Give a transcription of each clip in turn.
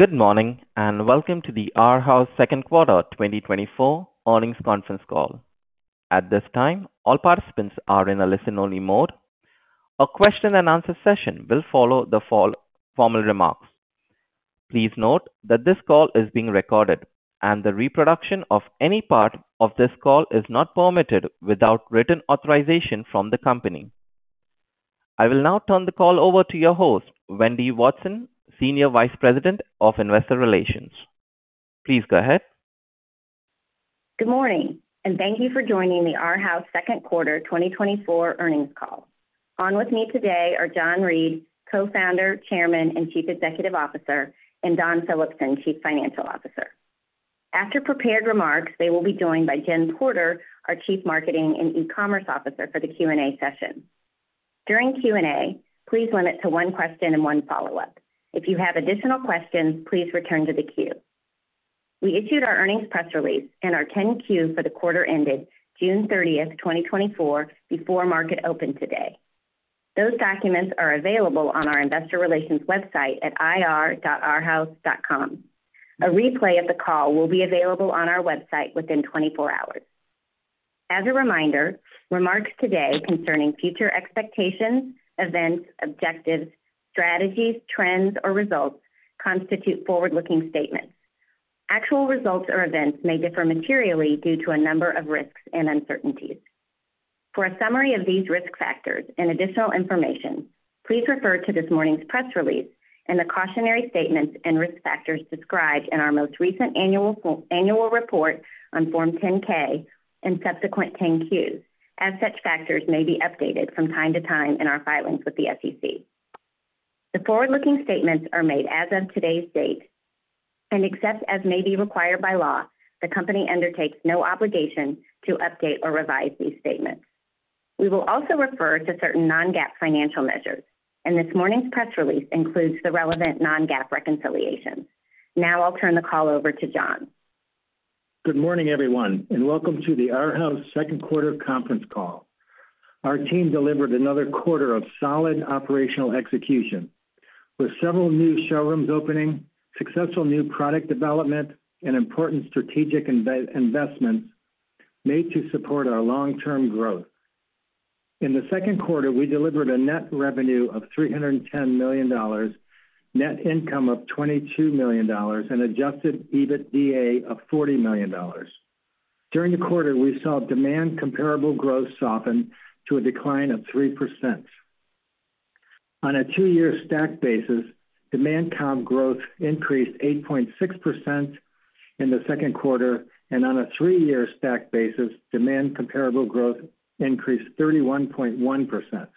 Good morning, and welcome to the Arhaus second quarter 2024 earnings conference call. At this time, all participants are in a listen-only mode. A question-and-answer session will follow the formal remarks. Please note that this call is being recorded, and the reproduction of any part of this call is not permitted without written authorization from the company. I will now turn the call over to your host, Wendy Watson, Senior Vice President of Investor Relations. Please go ahead. Good morning, and thank you for joining the Arhaus second quarter 2024 earnings call. On with me today are John Reed, Co-founder, Chairman, and Chief Executive Officer, and Dawn Phillipson, Chief Financial Officer. After prepared remarks, they will be joined by Jen Porter, our Chief Marketing and E-commerce Officer, for the Q&A session. During Q&A, please limit to one question and one follow-up. If you have additional questions, please return to the queue. We issued our earnings press release and our 10-Q for the quarter ended June 30, 2024, before market open today. Those documents are available on our investor relations website at ir.arhaus.com. A replay of the call will be available on our website within 24 hours. As a reminder, remarks today concerning future expectations, events, objectives, strategies, trends, or results constitute forward-looking statements. Actual results or events may differ materially due to a number of risks and uncertainties. For a summary of these risk factors and additional information, please refer to this morning's press release and the cautionary statements and risk factors described in our most recent annual report on Form 10-K and subsequent 10-Qs, as such factors may be updated from time to time in our filings with the SEC. The forward-looking statements are made as of today's date, and except as may be required by law, the company undertakes no obligation to update or revise these statements. We will also refer to certain non-GAAP financial measures, and this morning's press release includes the relevant non-GAAP reconciliations. Now I'll turn the call over to John. Good morning, everyone, and welcome to the Arhaus second quarter conference call. Our team delivered another quarter of solid operational execution, with several new showrooms opening, successful new product development and important strategic investments made to support our long-term growth. In the second quarter, we delivered a net revenue of $310 million, net income of $22 million, and Adjusted EBITDA of $40 million. During the quarter, we saw demand comparable growth soften to a decline of 3%. On a two-year stack basis, demand comp growth increased 8.6% in the second quarter, and on a three-year stack basis, demand comparable growth increased 31.1%.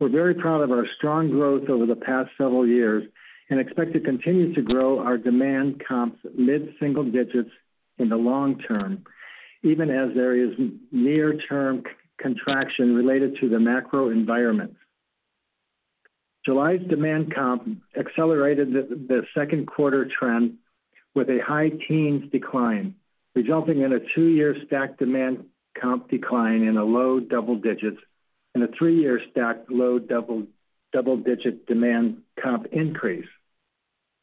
We're very proud of our strong growth over the past several years and expect to continue to grow our demand comps mid-single digits in the long term, even as there is near-term contraction related to the macro environment. July's demand comp accelerated the second quarter trend with a high teens decline, resulting in a two-year stack demand comp decline in a low double-digit and a three-year stack low double-digit demand comp increase.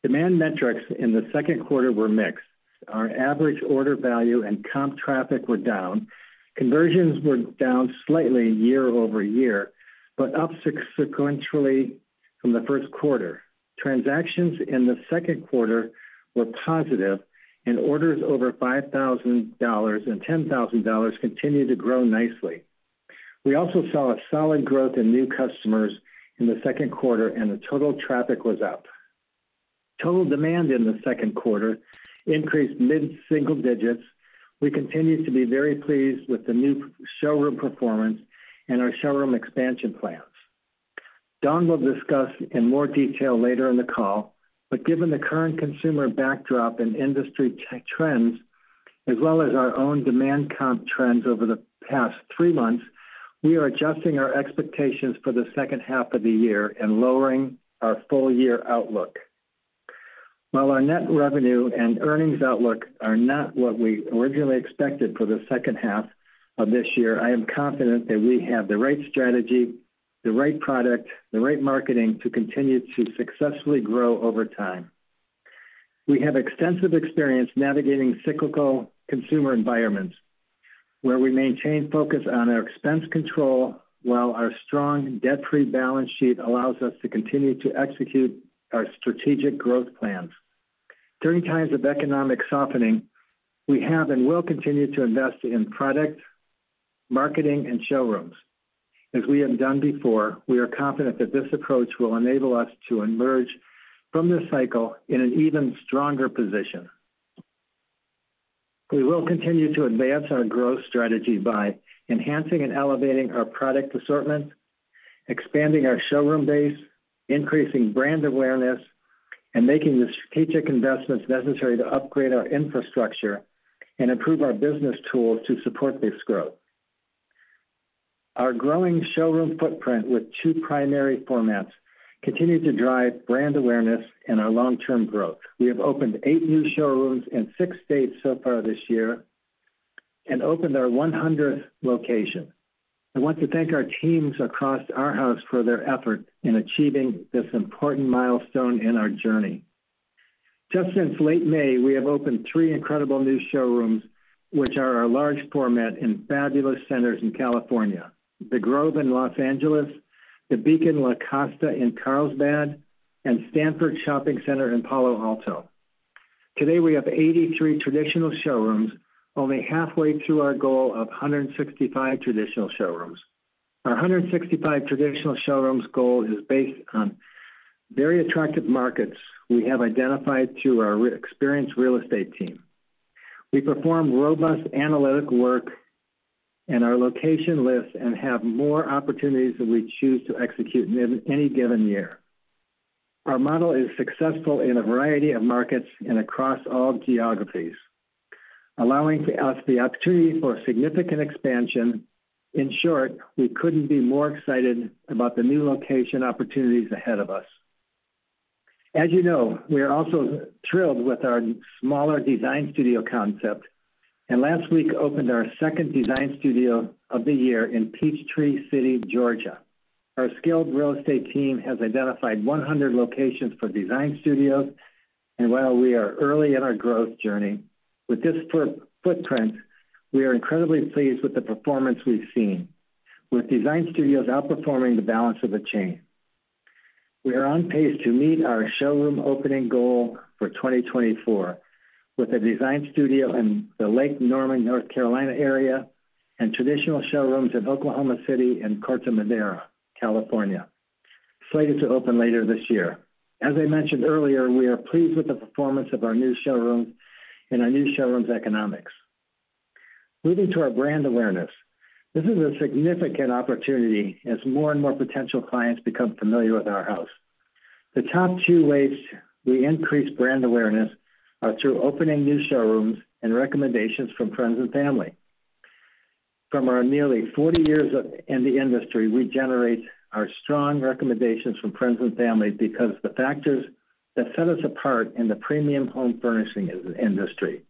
Demand metrics in the second quarter were mixed. Our average order value and comp traffic were down. Conversions were down slightly year-over-year, but up sequentially from the first quarter. Transactions in the second quarter were positive, and orders over $5,000 and $10,000 continued to grow nicely. We also saw a solid growth in new customers in the second quarter, and the total traffic was up. Total demand in the second quarter increased mid-single digits. We continue to be very pleased with the new showroom performance and our showroom expansion plans. Dawn will discuss in more detail later in the call, but given the current consumer backdrop and industry trends, as well as our own demand comp trends over the past three months, we are adjusting our expectations for the second half of the year and lowering our full year outlook. While our net revenue and earnings outlook are not what we originally expected for the second half of this year, I am confident that we have the right strategy, the right product, the right marketing to continue to successfully grow over time. We have extensive experience navigating cyclical consumer environments, where we maintain focus on our expense control, while our strong debt-free balance sheet allows us to continue to execute our strategic growth plans. During times of economic softening, we have and will continue to invest in product, marketing, and showrooms. As we have done before, we are confident that this approach will enable us to emerge from this cycle in an even stronger position. We will continue to advance our growth strategy by enhancing and elevating our product assortment, expanding our showroom base, increasing brand awareness, and making the strategic investments necessary to upgrade our infrastructure and improve our business tools to support this growth. Our growing showroom footprint with two primary formats continued to drive brand awareness and our long-term growth. We have opened eight new showrooms in six states so far this year and opened our 100th location. I want to thank our teams across Arhaus for their effort in achieving this important milestone in our journey. Just since late May, we have opened three incredible new showrooms, which are our large format in fabulous centers in California, The Grove in Los Angeles, the Beacon La Costa in Carlsbad, and Stanford Shopping Center in Palo Alto. Today, we have 83 traditional showrooms, only halfway through our goal of 165 traditional showrooms. Our 165 traditional showrooms goal is based on very attractive markets we have identified through our experienced real estate team. We perform robust analytic work in our location list and have more opportunities than we choose to execute in any given year. Our model is successful in a variety of markets and across all geographies, allowing us the opportunity for significant expansion. In short, we couldn't be more excited about the new location opportunities ahead of us. As you know, we are also thrilled with our smaller design studio concept, and last week opened our second design studio of the year in Peachtree City, Georgia. Our skilled real estate team has identified 100 locations for design studios, and while we are early in our growth journey, with this footprint, we are incredibly pleased with the performance we've seen, with design studios outperforming the balance of the chain. We are on pace to meet our showroom opening goal for 2024, with a design studio in the Lake Norman, North Carolina, area and traditional showrooms in Oklahoma City and Corte Madera, California, slated to open later this year. As I mentioned earlier, we are pleased with the performance of our new showroom and our new showroom's economics. Moving to our brand awareness. This is a significant opportunity as more and more potential clients become familiar with Arhaus. The top two ways we increase brand awareness are through opening new showrooms and recommendations from friends and family. From our nearly 40 years in the industry, we generate our strong recommendations from friends and family because the factors that set us apart in the premium home furnishings industry,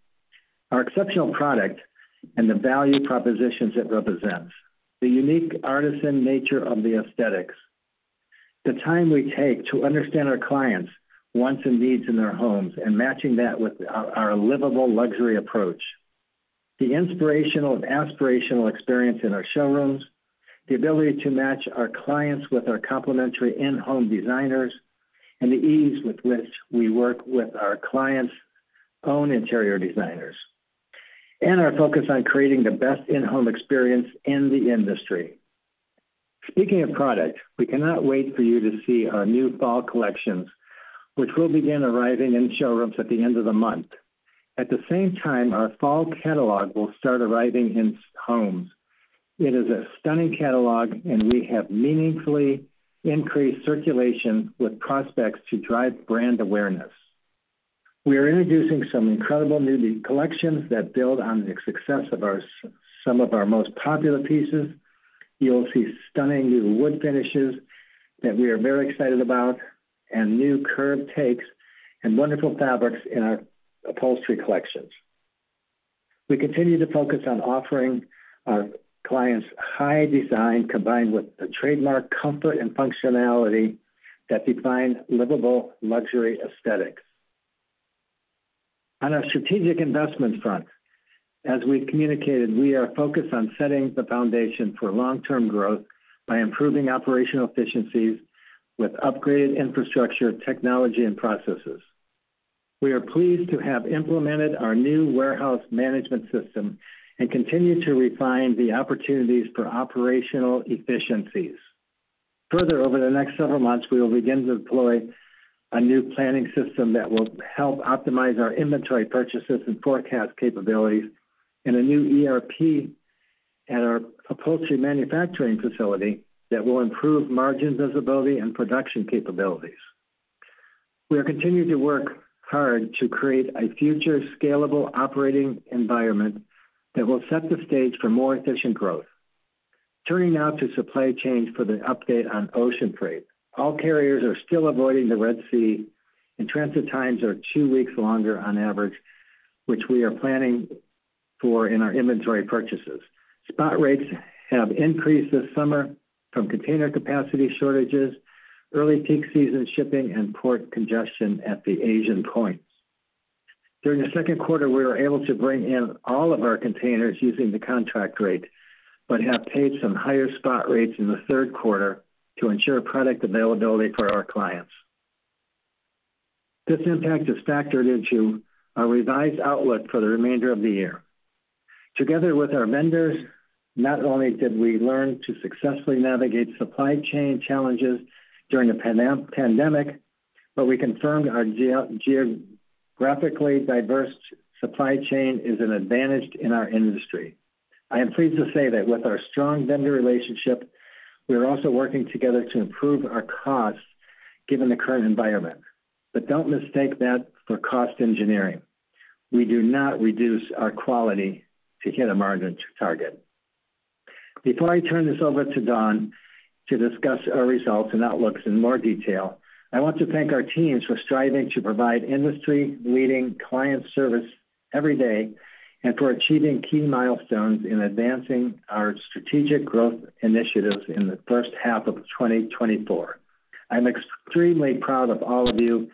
our exceptional product and the value propositions it represents, the unique artisan nature of the aesthetics, the time we take to understand our clients' wants and needs in their homes and matching that with our livable luxury approach, the inspirational and aspirational experience in our showrooms, the ability to match our clients with our complimentary in-home designers, and the ease with which we work with our clients' own interior designers, and our focus on creating the best in-home experience in the industry. Speaking of product, we cannot wait for you to see our new fall collections, which will begin arriving in showrooms at the end of the month. At the same time, our fall catalog will start arriving in homes. It is a stunning catalog, and we have meaningfully increased circulation with prospects to drive brand awareness. We are introducing some incredible new collections that build on the success of our some of our most popular pieces. You'll see stunning new wood finishes that we are very excited about, and new curved takes and wonderful fabrics in our upholstery collections. We continue to focus on offering our clients high design, combined with the trademark comfort and functionality that define livable luxury aesthetics. On our strategic investment front, as we've communicated, we are focused on setting the foundation for long-term growth by improving operational efficiencies with upgraded infrastructure, technology, and processes. We are pleased to have implemented our new warehouse management system and continue to refine the opportunities for operational efficiencies. Further, over the next several months, we will begin to deploy a new planning system that will help optimize our inventory purchases and forecast capabilities, and a new ERP at our upholstery manufacturing facility that will improve margin visibility and production capabilities. We are continuing to work hard to create a future scalable operating environment that will set the stage for more efficient growth. Turning now to supply chains for the update on ocean freight. All carriers are still avoiding the Red Sea, and transit times are two weeks longer on average, which we are planning for in our inventory purchases. Spot rates have increased this summer from container capacity shortages, early peak season shipping, and port congestion at the Asian points. During the second quarter, we were able to bring in all of our containers using the contract rate, but have paid some higher spot rates in the third quarter to ensure product availability for our clients. This impact is factored into our revised outlook for the remainder of the year. Together with our vendors, not only did we learn to successfully navigate supply chain challenges during the pandemic, but we confirmed our geographically diverse supply chain is an advantage in our industry. I am pleased to say that with our strong vendor relationship, we are also working together to improve our costs given the current environment. But don't mistake that for cost engineering. We do not reduce our quality to hit a margin target. Before I turn this over to Dawn to discuss our results and outlooks in more detail, I want to thank our teams for striving to provide industry-leading client service every day and for achieving key milestones in advancing our strategic growth initiatives in the first half of 2024. I'm extremely proud of all of you,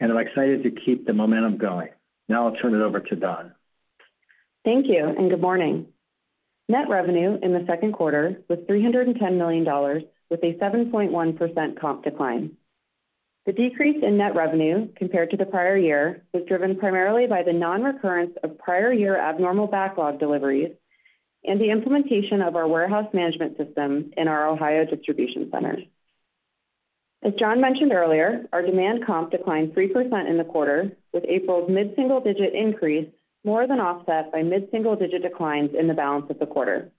and I'm excited to keep the momentum going. Now I'll turn it over to Dawn. Thank you, and good morning. Net revenue in the second quarter was $310 million, with a 7.1% comp decline. The decrease in net revenue compared to the prior year was driven primarily by the non-recurrence of prior year abnormal backlog deliveries and the implementation of our warehouse management system in our Ohio distribution centers. As John mentioned earlier, our demand comp declined 3% in the quarter, with April's mid-single-digit increase more than offset by mid-single-digit declines in the balance of the quarter.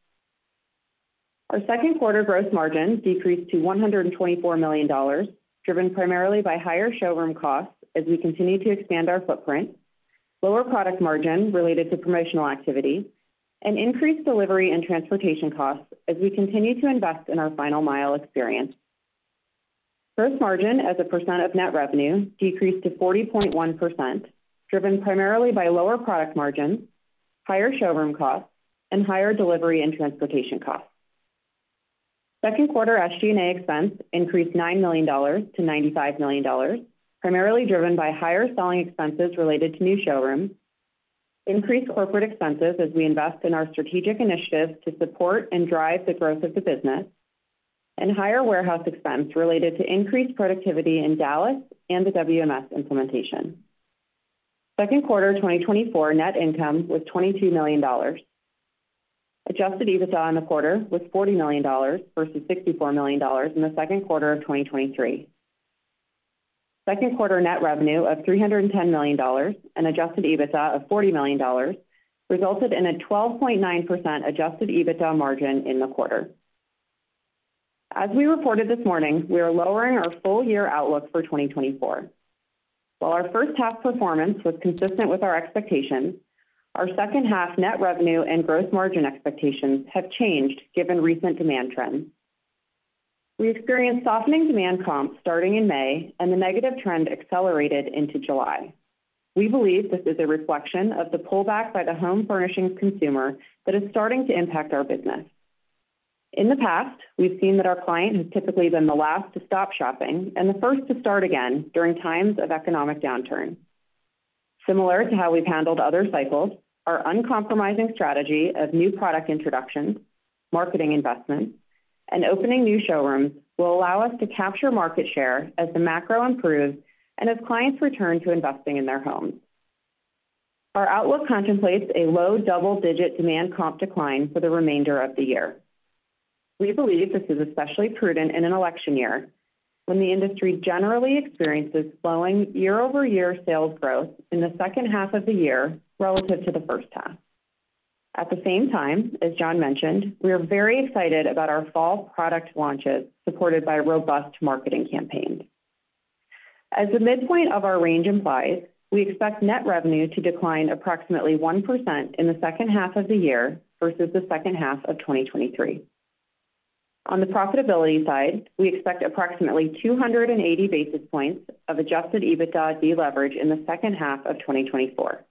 Our second quarter gross margin decreased to $124 million, driven primarily by higher showroom costs as we continue to expand our footprint, lower product margin related to promotional activity, and increased delivery and transportation costs as we continue to invest in our final mile experience. Gross margin as a percent of net revenue decreased to 40.1%, driven primarily by lower product margins, higher showroom costs, and higher delivery and transportation costs. Second quarter SG&A expense increased $9 million-$95 million, primarily driven by higher selling expenses related to new showrooms, increased corporate expenses as we invest in our strategic initiatives to support and drive the growth of the business, and higher warehouse expense related to increased productivity in Dallas and the WMS implementation. Second quarter 2024 net income was $22 million. Adjusted EBITDA in the quarter was $40 million versus $64 million in the second quarter of 2023. Second quarter net revenue of $310 million and Adjusted EBITDA of $40 million resulted in a 12.9% Adjusted EBITDA margin in the quarter. As we reported this morning, we are lowering our full-year outlook for 2024. While our first half performance was consistent with our expectations, our second half net revenue and growth margin expectations have changed given recent demand trends. We experienced softening demand comps starting in May, and the negative trend accelerated into July. We believe this is a reflection of the pullback by the home furnishings consumer that is starting to impact our business. In the past, we've seen that our client has typically been the last to stop shopping and the first to start again during times of economic downturn. Similar to how we've handled other cycles, our uncompromising strategy of new product introductions, marketing investments, and opening new showrooms will allow us to capture market share as the macro improves and as clients return to investing in their homes. Our outlook contemplates a low double-digit demand comp decline for the remainder of the year. We believe this is especially prudent in an election year, when the industry generally experiences slowing year-over-year sales growth in the second half of the year relative to the first half. At the same time, as John mentioned, we are very excited about our fall product launches, supported by robust marketing campaigns. As the midpoint of our range implies, we expect net revenue to decline approximately 1% in the second half of the year versus the second half of 2023. On the profitability side, we expect approximately 280 basis points of Adjusted EBITDA deleverage in the second half of 2024.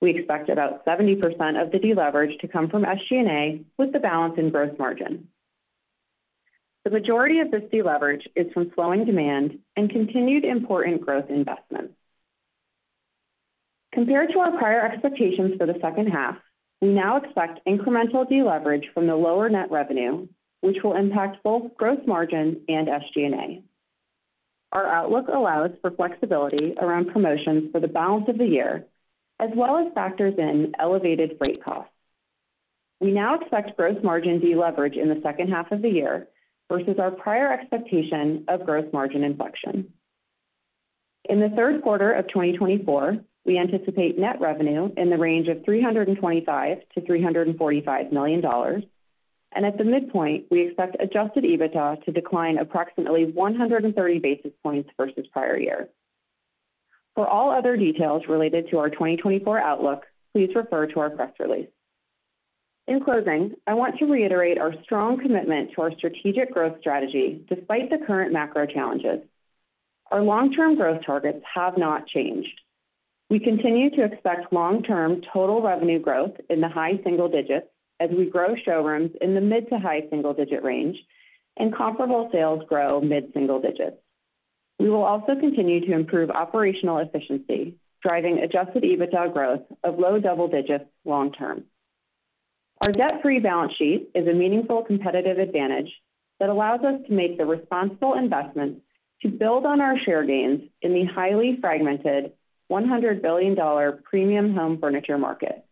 We expect about 70% of the deleverage to come from SG&A, with the balance in gross margin. The majority of this deleverage is from slowing demand and continued important growth investments. Compared to our prior expectations for the second half, we now expect incremental deleverage from the lower net revenue, which will impact both gross margin and SG&A. Our outlook allows for flexibility around promotions for the balance of the year, as well as factors in elevated freight costs. We now expect gross margin deleverage in the second half of the year versus our prior expectation of gross margin inflection. In the third quarter of 2024, we anticipate net revenue in the range of $325 million-$345 million, and at the midpoint, we expect Adjusted EBITDA to decline approximately 130 basis points versus prior year. For all other details related to our 2024 outlook, please refer to our press release. In closing, I want to reiterate our strong commitment to our strategic growth strategy, despite the current macro challenges. Our long-term growth targets have not changed. We continue to expect long-term total revenue growth in the high single digits as we grow showrooms in the mid to high single-digit range and comparable sales grow mid-single digits. We will also continue to improve operational efficiency, driving Adjusted EBITDA growth of low double digits long term. Our debt-free balance sheet is a meaningful competitive advantage that allows us to make the responsible investments to build on our share gains in the highly fragmented $100 billion premium home furniture market.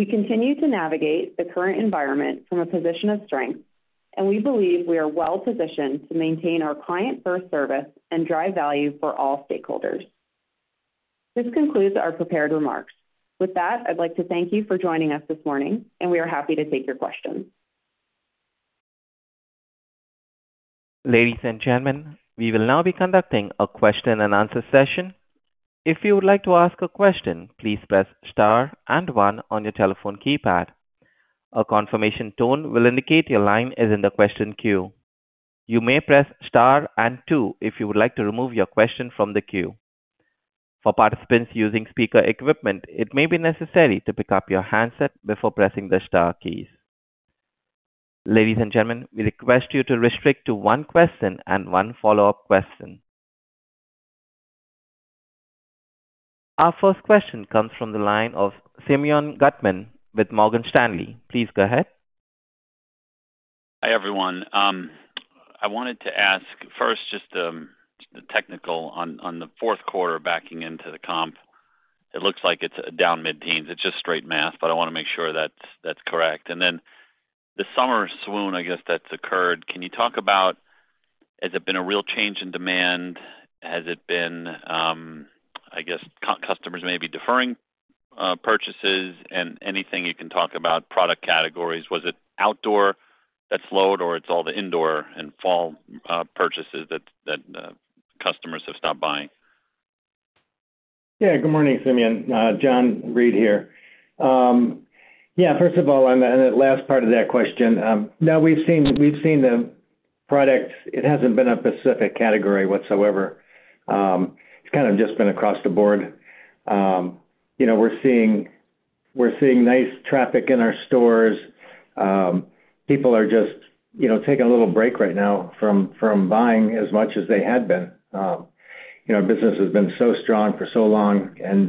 We continue to navigate the current environment from a position of strength, and we believe we are well positioned to maintain our client-first service and drive value for all stakeholders. This concludes our prepared remarks. With that, I'd like to thank you for joining us this morning, and we are happy to take your questions. Ladies and gentlemen, we will now be conducting a question-and-answer session. If you would like to ask a question, please press star and one on your telephone keypad. A confirmation tone will indicate your line is in the question queue. You may press star and two if you would like to remove your question from the queue. For participants using speaker equipment, it may be necessary to pick up your handset before pressing the star keys. Ladies and gentlemen, we request you to restrict to one question and one follow-up question. Our first question comes from the line of Simeon Gutman with Morgan Stanley. Please go ahead. Hi, everyone. I wanted to ask first, just the technical on the fourth quarter backing into the comp. It looks like it's down mid-teens. It's just straight math, but I wanna make sure that's correct. And then the summer swoon, I guess, that's occurred. Can you talk about, has it been a real change in demand? Has it been, I guess, customers may be deferring purchases and anything you can talk about, product categories. Was it outdoor that slowed, or it's all the indoor and fall purchases that customers have stopped buying? Yeah. Good morning, Simeon. John Reed here. Yeah, first of all, on the last part of that question, now we've seen the products. It hasn't been a specific category whatsoever. It's kind of just been across the board. You know, we're seeing nice traffic in our stores. People are just, you know, taking a little break right now from buying as much as they had been. You know, business has been so strong for so long, and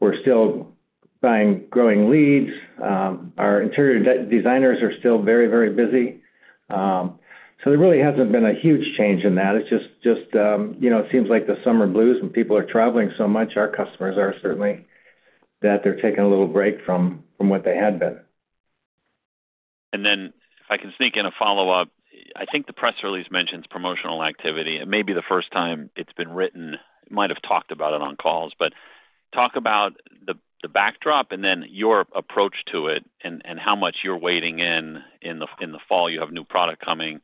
we're still buying growing leads. Our interior designers are still very, very busy. So there really hasn't been a huge change in that. It's just, you know, it seems like the summer blues, and people are traveling so much. Our customers are certainly that they're taking a little break from what they had been. Then, if I can sneak in a follow-up, I think the press release mentions promotional activity. It may be the first time it's been written. Might have talked about it on calls, but talk about the backdrop and then your approach to it, and how much you're weighting in the fall. You have new product coming,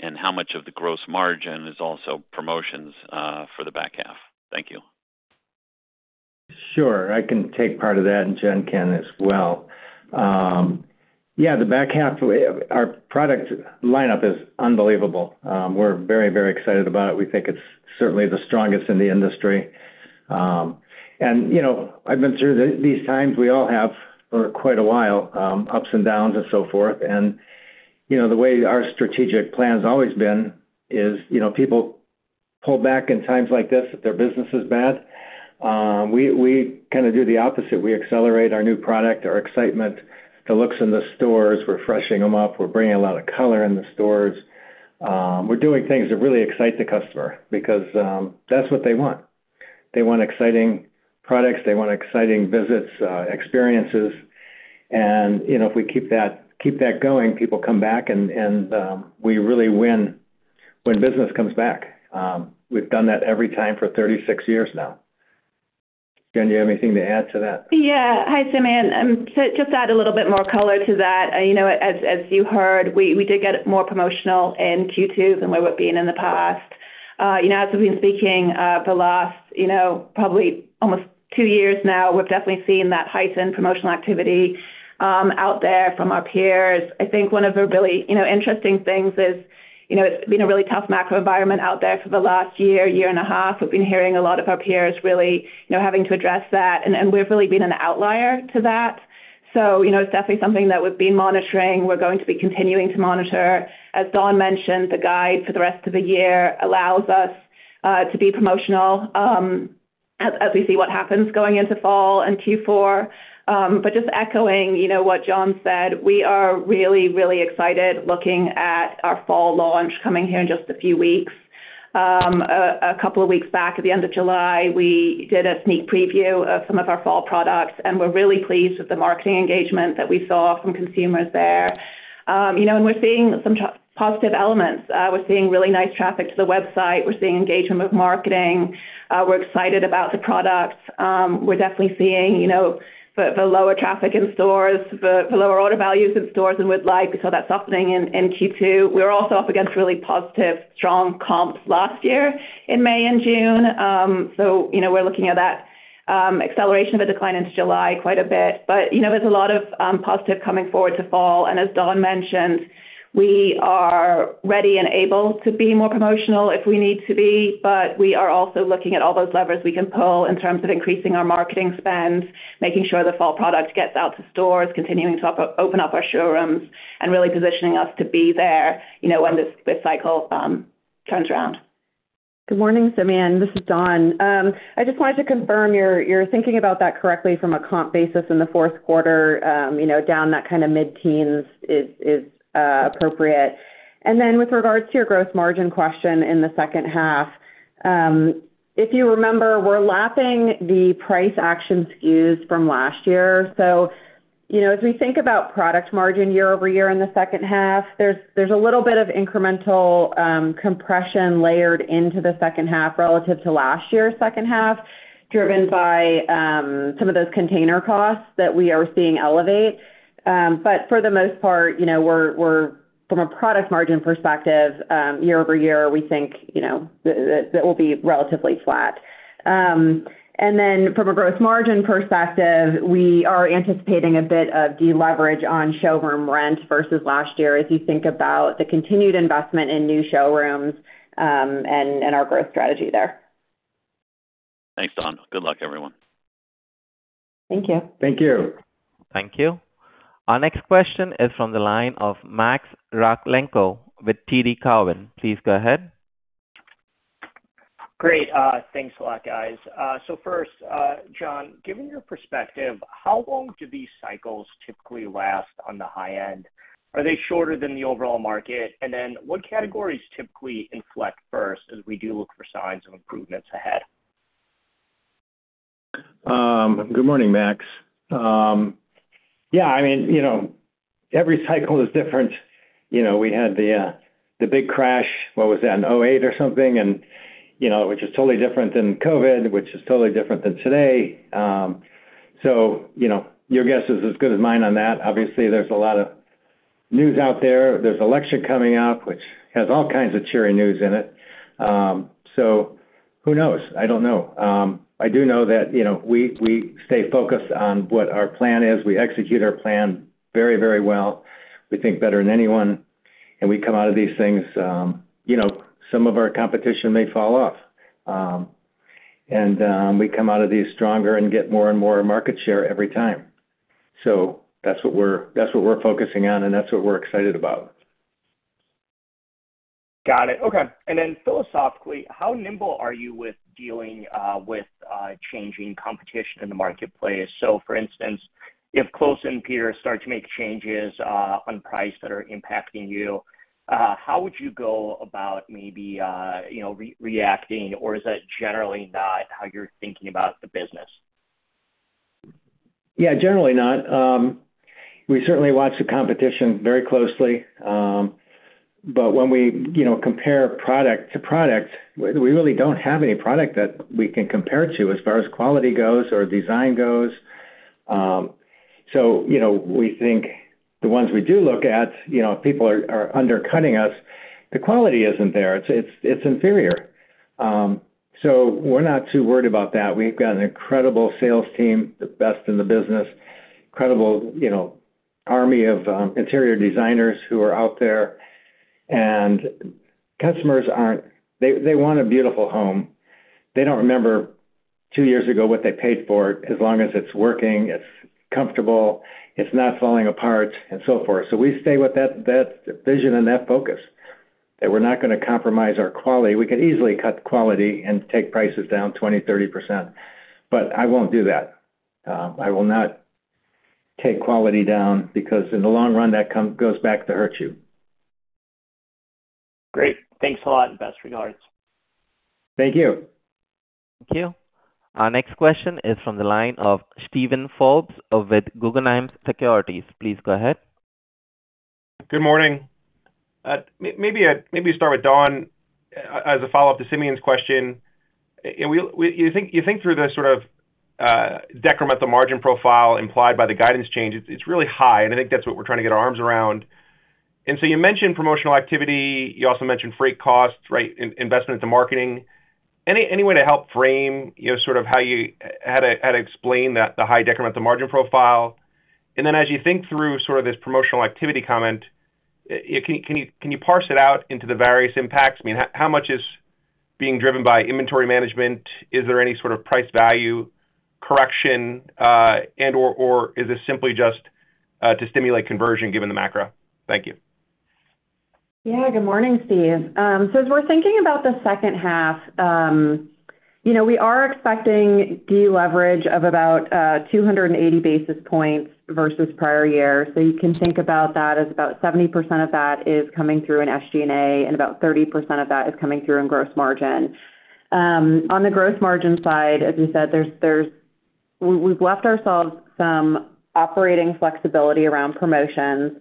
and how much of the gross margin is also promotions for the back half? Thank you. Sure. I can take part of that, and Jen can as well. Yeah, the back half, our product lineup is unbelievable. We're very, very excited about it. We think it's certainly the strongest in the industry. You know, I've been through these times, we all have, for quite a while, ups and downs and so forth. You know, the way our strategic plan's always been is, you know, people pull back in times like this, if their business is bad. We kind of do the opposite. We accelerate our new product, our excitement, the looks in the stores, we're freshening them up. We're bringing a lot of color in the stores. We're doing things that really excite the customer because that's what they want. They want exciting products, they want exciting visits, experiences. You know, if we keep that, keep that going, people come back and we really win when business comes back. We've done that every time for 36 years now. Jen, you have anything to add to that? Yeah. Hi, Simeon. So just to add a little bit more color to that. You know what? As, as you heard, we, we did get more promotional in Q2 than we would have been in the past. You know, as we've been speaking, the last, you know, probably almost two years now, we've definitely seen that heightened promotional activity out there from our peers. I think one of the really, you know, interesting things is, you know, it's been a really tough macro environment out there for the last year, year and a half. We've been hearing a lot of our peers really, you know, having to address that, and, and we've really been an outlier to that. So, you know, it's definitely something that we've been monitoring, we're going to be continuing to monitor. As Dawn mentioned, the guide for the rest of the year allows us to be promotional, as we see what happens going into fall and Q4. But just echoing, you know, what John said, we are really, really excited looking at our fall launch coming here in just a few weeks. A couple of weeks back, at the end of July, we did a sneak preview of some of our fall products, and we're really pleased with the marketing engagement that we saw from consumers there. You know, and we're seeing some positive elements. We're seeing really nice traffic to the website. We're seeing engagement with marketing. We're excited about the products. We're definitely seeing, you know, the lower traffic in stores, the lower order values in stores than we'd like. We saw that softening in Q2. We were also up against really positive, strong comps last year in May and June. So, you know, we're looking at that acceleration of a decline into July quite a bit. But, you know, there's a lot of positive coming forward to fall. And as Dawn mentioned, we are ready and able to be more promotional if we need to be, but we are also looking at all those levers we can pull in terms of increasing our marketing spend, making sure the fall product gets out to stores, continuing to open up our showrooms and really positioning us to be there, you know, when this cycle turns around. Good morning, Simeon. This is Dawn. I just wanted to confirm you're, you're thinking about that correctly from a comp basis in the fourth quarter, you know, down that kind of mid-teens is, is, appropriate. And then, with regards to your gross margin question in the second half, if you remember, we're lapping the price action SKUs from last year. So, you know, as we think about product margin year-over-year in the second half, there's, there's a little bit of incremental compression layered into the second half relative to last year's second half, driven by, some of those container costs that we are seeing elevate. But for the most part, you know, we're, we're from a product margin perspective, year-over-year, we think, you know, that will be relatively flat. And then from a gross margin perspective, we are anticipating a bit of deleverage on showroom rent versus last year, as you think about the continued investment in new showrooms, and our growth strategy there. Thanks, Dawn. Good luck, everyone. Thank you. Thank you. Thank you. Our next question is from the line of Max Rakhlenko with TD Cowen. Please go ahead. Great. Thanks a lot, guys. So first, John, given your perspective, how long do these cycles typically last on the high end? Are they shorter than the overall market? And then what categories typically inflect first as we do look for signs of improvements ahead? Good morning, Max. Yeah, I mean, you know, every cycle is different. You know, we had the big crash, what was that, in 2008 or something? And, you know, which is totally different than COVID, which is totally different than today. So, you know, your guess is as good as mine on that. Obviously, there's a lot of news out there. There's election coming up, which has all kinds of cheery news in it. So who knows? I don't know. I do know that, you know, we stay focused on what our plan is. We execute our plan very, very well. We think better than anyone, and we come out of these things, you know, some of our competition may fall off. And we come out of these stronger and get more and more market share every time. So that's what we're, that's what we're focusing on, and that's what we're excited about. Got it. Okay. And then philosophically, how nimble are you with dealing with changing competition in the marketplace? So for instance, if Crate & Barrel start to make changes on price that are impacting you, how would you go about maybe, you know, reacting, or is that generally not how you're thinking about the business? Yeah, generally not. We certainly watch the competition very closely, but when we, you know, compare product to product, we really don't have any product that we can compare to as far as quality goes or design goes. So, you know, we think the ones we do look at, you know, people are undercutting us. The quality isn't there. It's inferior. So we're not too worried about that. We've got an incredible sales team, the best in the business, incredible, you know, army of interior designers who are out there, and customers aren't. They want a beautiful home. They don't remember two years ago what they paid for it, as long as it's working, it's comfortable, it's not falling apart and so forth. So we stay with that vision and that focus, that we're not gonna compromise our quality. We could easily cut quality and take prices down 20%, 30%, but I won't do that. I will not take quality down because in the long run, that goes back to hurt you. Great. Thanks a lot, and best regards. Thank you. Thank you. Our next question is from the line of Steven Forbes with Guggenheim Securities. Please go ahead. Good morning. Maybe start with Dawn as a follow-up to Simeon's question. You think through the sort of decrement, the margin profile implied by the guidance change, it's really high, and I think that's what we're trying to get our arms around. So you mentioned promotional activity, you also mentioned freight costs, right? Investment into marketing. Any way to help frame, you know, sort of how you explain the high decrement, the margin profile? Then as you think through sort of this promotional activity comment, can you parse it out into the various impacts? I mean, how much is being driven by inventory management? Is there any sort of price value correction, and/or, or is this simply just, to stimulate conversion given the macro? Thank you. Yeah, good morning, Steve. So as we're thinking about the second half, you know, we are expecting deleverage of about 280 basis points versus prior year. So you can think about that as about 70% of that is coming through in SG&A, and about 30% of that is coming through in gross margin. On the gross margin side, as you said, there's, there's—we've left ourselves some operating flexibility around promotions,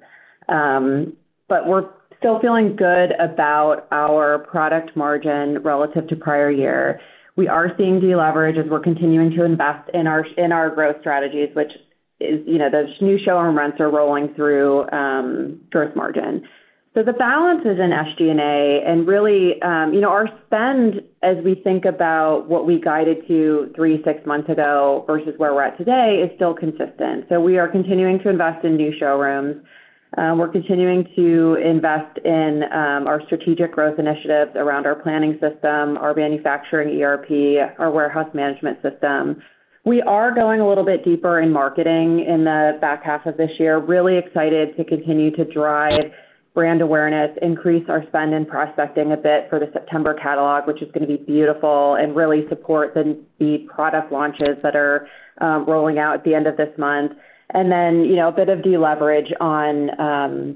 but we're still feeling good about our product margin relative to prior year. We are seeing deleverage as we're continuing to invest in our growth strategies, which is, you know, those new showroom rents are rolling through gross margin. So the balance is in SG&A, and really, you know, our spend, as we think about what we guided to 3 months-6 months ago versus where we're at today, is still consistent. So we are continuing to invest in new showrooms, we're continuing to invest in our strategic growth initiatives around our planning system, our manufacturing ERP, our warehouse management system. We are going a little bit deeper in marketing in the back half of this year. Really excited to continue to drive brand awareness, increase our spend in prospecting a bit for the September catalog, which is gonna be beautiful and really support the product launches that are rolling out at the end of this month. And then, you know, a bit of deleverage on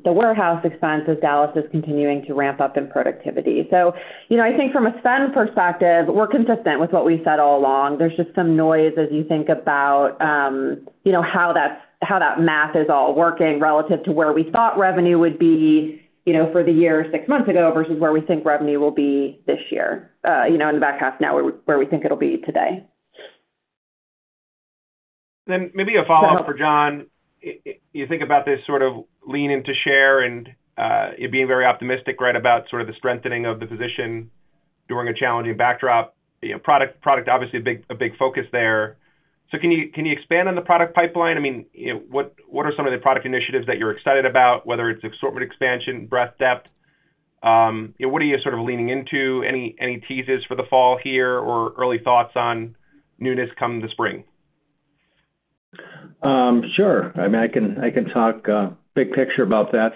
the warehouse expense as Dallas is continuing to ramp up in productivity. So, you know, I think from a spend perspective, we're consistent with what we said all along. There's just some noise as you think about, you know, how that, how that math is all working relative to where we thought revenue would be, you know, for the year six months ago, versus where we think revenue will be this year, you know, in the back half now, where we, where we think it'll be today. Then maybe a follow-up for John. You think about this sort of lean into share and, you're being very optimistic, right, about sort of the strengthening of the position during a challenging backdrop. You know, product, product, obviously a big, a big focus there. So can you, can you expand on the product pipeline? I mean, you know, what, what are some of the product initiatives that you're excited about, whether it's assortment, expansion, breadth, depth? You know, what are you sort of leaning into? Any, any teases for the fall here or early thoughts on newness come the spring? Sure. I mean, I can, I can talk big picture about that.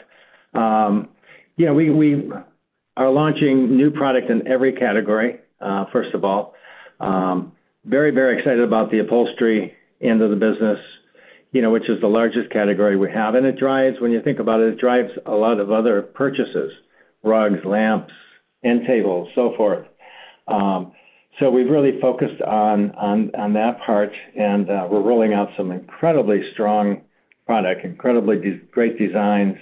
You know, we, we are launching new product in every category, first of all. Very, very excited about the upholstery end of the business, you know, which is the largest category we have. And it drives. When you think about it, it drives a lot of other purchases, rugs, lamps, end tables, so forth. So we've really focused on, on, on that part, and, we're rolling out some incredibly strong product, incredibly great designs,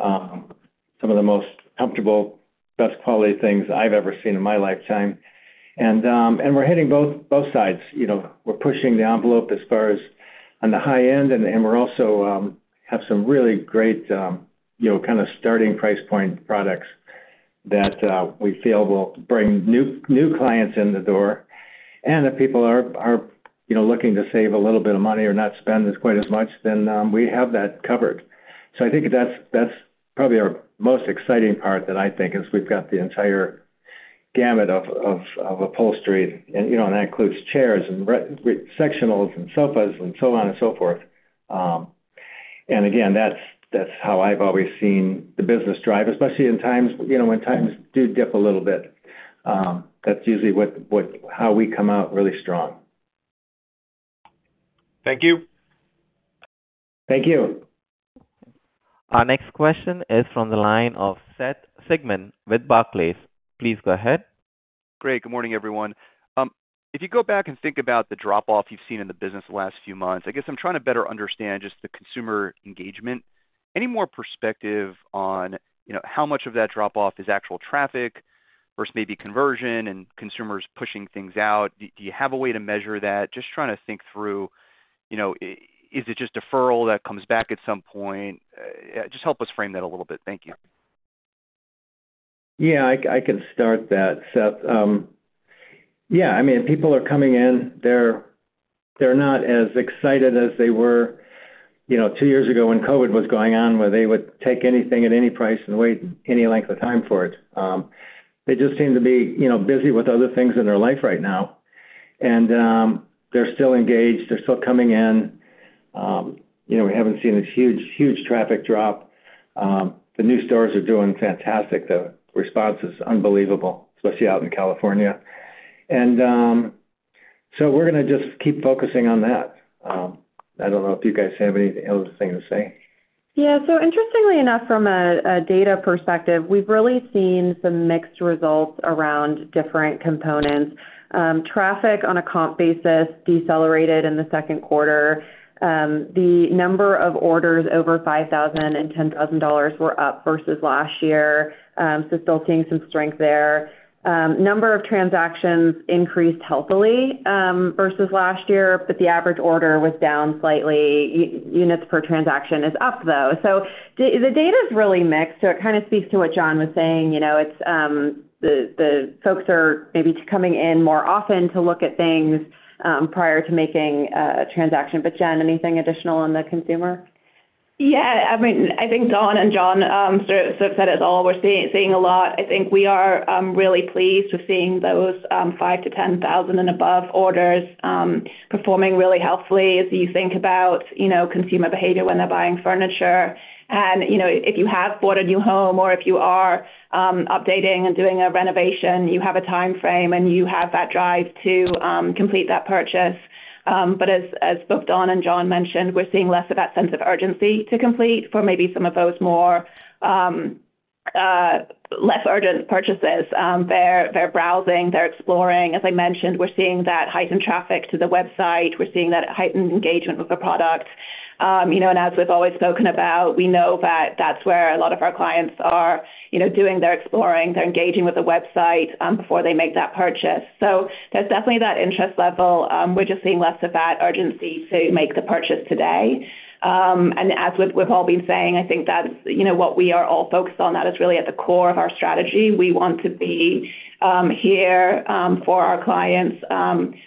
some of the most comfortable, best quality things I've ever seen in my lifetime. And, and we're hitting both, both sides. You know, we're pushing the envelope as far as on the high end, and we also have some really great, you know, kind of starting price point products that we feel will bring new clients in the door. And if people are, you know, looking to save a little bit of money or not spend quite as much, then we have that covered. So I think that's probably our most exciting part, that I think is we've got the entire gamut of upholstery, and, you know, and that includes chairs, and recliners, sectionals, and sofas, and so on and so forth. And again, that's how I've always seen the business drive, especially in times, you know, when times do dip a little bit. That's usually what how we come out really strong. Thank you. Thank you. Our next question is from the line of Seth Sigman with Barclays. Please go ahead. Great. Good morning, everyone. If you go back and think about the drop-off you've seen in the business the last few months, I guess I'm trying to better understand just the consumer engagement. Any more perspective on, you know, how much of that drop-off is actual traffic versus maybe conversion and consumers pushing things out? Do you have a way to measure that? Just trying to think through, you know, is it just deferral that comes back at some point? Just help us frame that a little bit. Thank you. Yeah, I can start that, Seth. Yeah, I mean, people are coming in. They're not as excited as they were, you know, two years ago when COVID was going on, where they would take anything at any price and wait any length of time for it. They just seem to be, you know, busy with other things in their life right now. And, they're still engaged, they're still coming in. You know, we haven't seen a huge, huge traffic drop. The new stores are doing fantastic. The response is unbelievable, especially out in California. And, so we're gonna just keep focusing on that. I don't know if you guys have anything else to say. Yeah. So interestingly enough, from a data perspective, we've really seen some mixed results around different components. Traffic on a comp basis decelerated in the second quarter. The number of orders over $5,000 and $10,000 were up versus last year. So still seeing some strength there. Number of transactions increased healthily versus last year, but the average order was down slightly. Units per transaction is up, though. So the data's really mixed, so it kind of speaks to what John was saying. You know, it's the folks are maybe coming in more often to look at things prior to making a transaction. But, Jen, anything additional on the consumer? Yeah, I mean, I think Dawn and John sort of said it all. We're seeing a lot. I think we are really pleased with seeing those $5,000-$10,000 and above orders performing really healthily as you think about, you know, consumer behavior when they're buying furniture. And, you know, if you have bought a new home or if you are updating and doing a renovation, you have a time frame, and you have that drive to complete that purchase. But as both Dawn and John mentioned, we're seeing less of that sense of urgency to complete for maybe some of those more less urgent purchases. They're browsing, they're exploring. As I mentioned, we're seeing that heightened traffic to the website. We're seeing that heightened engagement with the product. You know, and as we've always spoken about, we know that that's where a lot of our clients are, you know, doing their exploring. They're engaging with the website before they make that purchase. So there's definitely that interest level. We're just seeing less of that urgency to make the purchase today. And as we've all been saying, I think that's, you know, what we are all focused on. That is really at the core of our strategy. We want to be here for our clients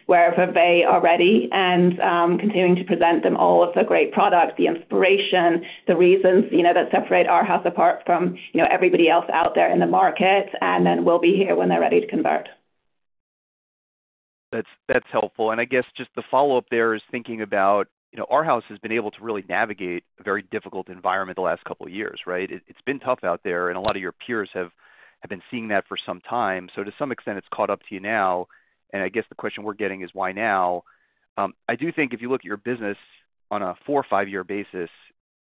wherever they are ready, and continuing to present them all of the great products, the inspiration, the reasons, you know, that set Arhaus apart from, you know, everybody else out there in the market, and then we'll be here when they're ready to convert. That's helpful. And I guess just the follow-up there is thinking about, you know, Arhaus has been able to really navigate a very difficult environment the last couple of years, right? It's been tough out there, and a lot of your peers have been seeing that for some time. So to some extent, it's caught up to you now, and I guess the question we're getting is, why now? I do think if you look at your business on a four or five-year basis,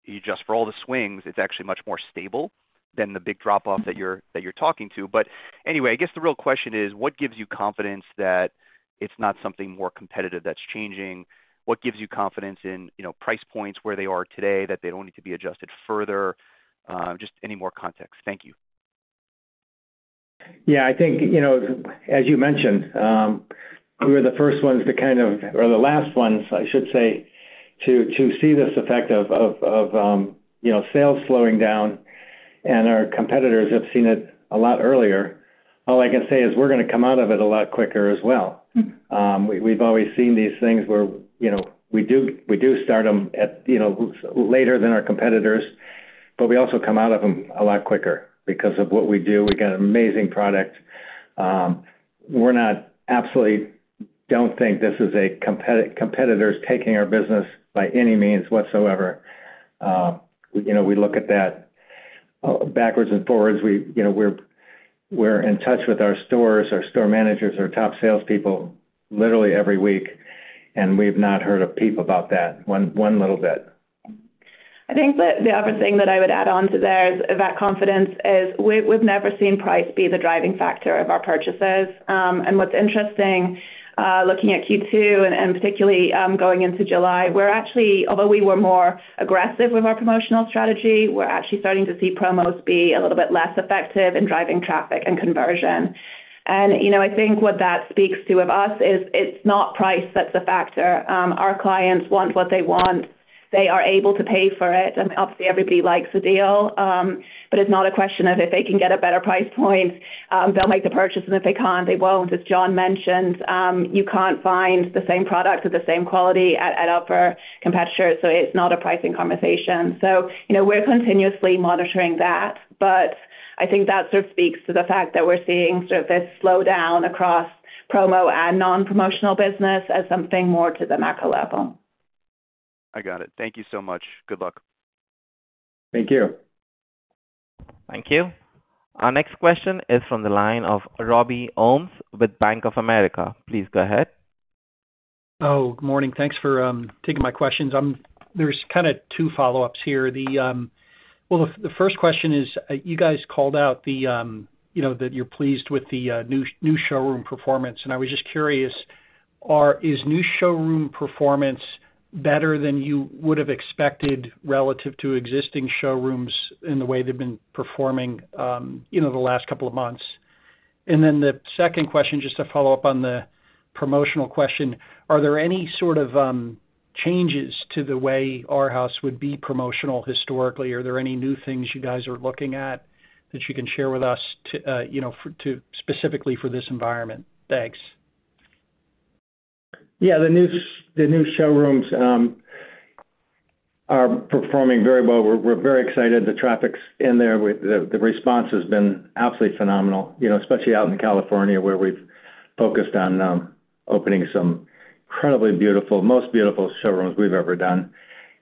you adjust for all the swings, it's actually much more stable than the big drop-off that you're talking to. But anyway, I guess the real question is: What gives you confidence that it's not something more competitive that's changing? What gives you confidence in, you know, price points where they are today, that they don't need to be adjusted further? Just any more context. Thank you. Yeah, I think, you know, as you mentioned, we were the first ones to kind of, or the last ones, I should say, to see this effect of sales slowing down, and our competitors have seen it a lot earlier. All I can say is we're gonna come out of it a lot quicker as well. We've always seen these things where, you know, we start them later than our competitors, but we also come out of them a lot quicker because of what we do. We've got an amazing product. We absolutely don't think this is competitors taking our business by any means whatsoever. You know, we look at that backwards and forwards. We, you know, we're in touch with our stores, our store managers, our top salespeople, literally every week, and we've not heard a peep about that one little bit. I think that the other thing that I would add on to there is that confidence is, we've never seen price be the driving factor of our purchases. And what's interesting, looking at Q2, and particularly, going into July, we're actually, although we were more aggressive with our promotional strategy, we're actually starting to see promos be a little bit less effective in driving traffic and conversion. And, you know, I think what that speaks to of us is it's not price that's a factor. Our clients want what they want. They are able to pay for it, and obviously, everybody likes a deal, but it's not a question of if they can get a better price point, they'll make the purchase, and if they can't, they won't. As John mentioned, you can't find the same product with the same quality at, at our competitors, so it's not a pricing conversation. So, you know, we're continuously monitoring that, but I think that sort of speaks to the fact that we're seeing sort of this slowdown across promo and non-promotional business as something more to the macro level. I got it. Thank you so much. Good luck. Thank you. Thank you. Our next question is from the line of Robbie Ohmes with Bank of America. Please go ahead. Oh, good morning. Thanks for taking my questions. There's kind of two follow-ups here. Well, the first question is, you guys called out the, you know, that you're pleased with the new showroom performance, and I was just curious, is new showroom performance better than you would have expected relative to existing showrooms in the way they've been performing, you know, the last couple of months? And then the second question, just to follow up on the promotional question, are there any sort of changes to the way Arhaus would be promotional historically? Are there any new things you guys are looking at that you can share with us to, you know, for to specifically for this environment? Thanks. Yeah, the new showrooms are performing very well. We're very excited. The traffic's in there. The response has been absolutely phenomenal, you know, especially out in California, where we've focused on opening some incredibly beautiful, most beautiful showrooms we've ever done.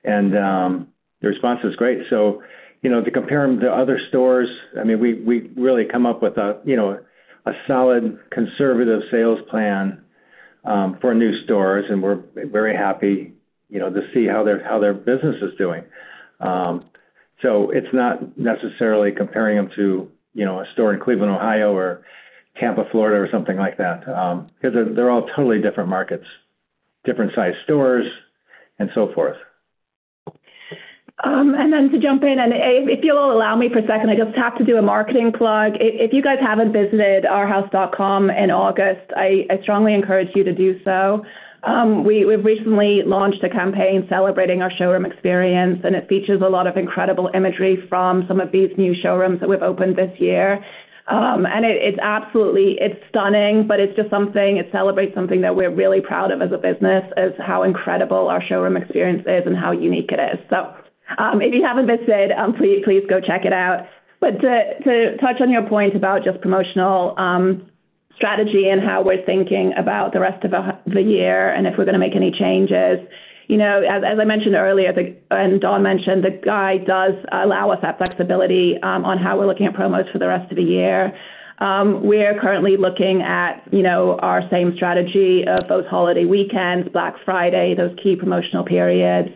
And the response is great. So, you know, to compare them to other stores, I mean, we really come up with a, you know, a solid, conservative sales plan for new stores, and we're very happy, you know, to see how their business is doing. So it's not necessarily comparing them to, you know, a store in Cleveland, Ohio, or Tampa, Florida, or something like that, because they're all totally different markets, different size stores and so forth. And then to jump in, and, if you'll allow me for a second, I just have to do a marketing plug. If you guys haven't visited arhaus.com in August, I strongly encourage you to do so. We've recently launched a campaign celebrating our showroom experience, and it features a lot of incredible imagery from some of these new showrooms that we've opened this year. And it's absolutely stunning, but it's just something - it celebrates something that we're really proud of as a business, is how incredible our showroom experience is and how unique it is. So, if you haven't visited, please, please go check it out. But to touch on your point about just promotional strategy and how we're thinking about the rest of the year and if we're gonna make any changes, you know, as I mentioned earlier, the, and Dawn mentioned, the guide does allow us that flexibility on how we're looking at promos for the rest of the year. We are currently looking at, you know, our same strategy of those holiday weekends, Black Friday, those key promotional periods.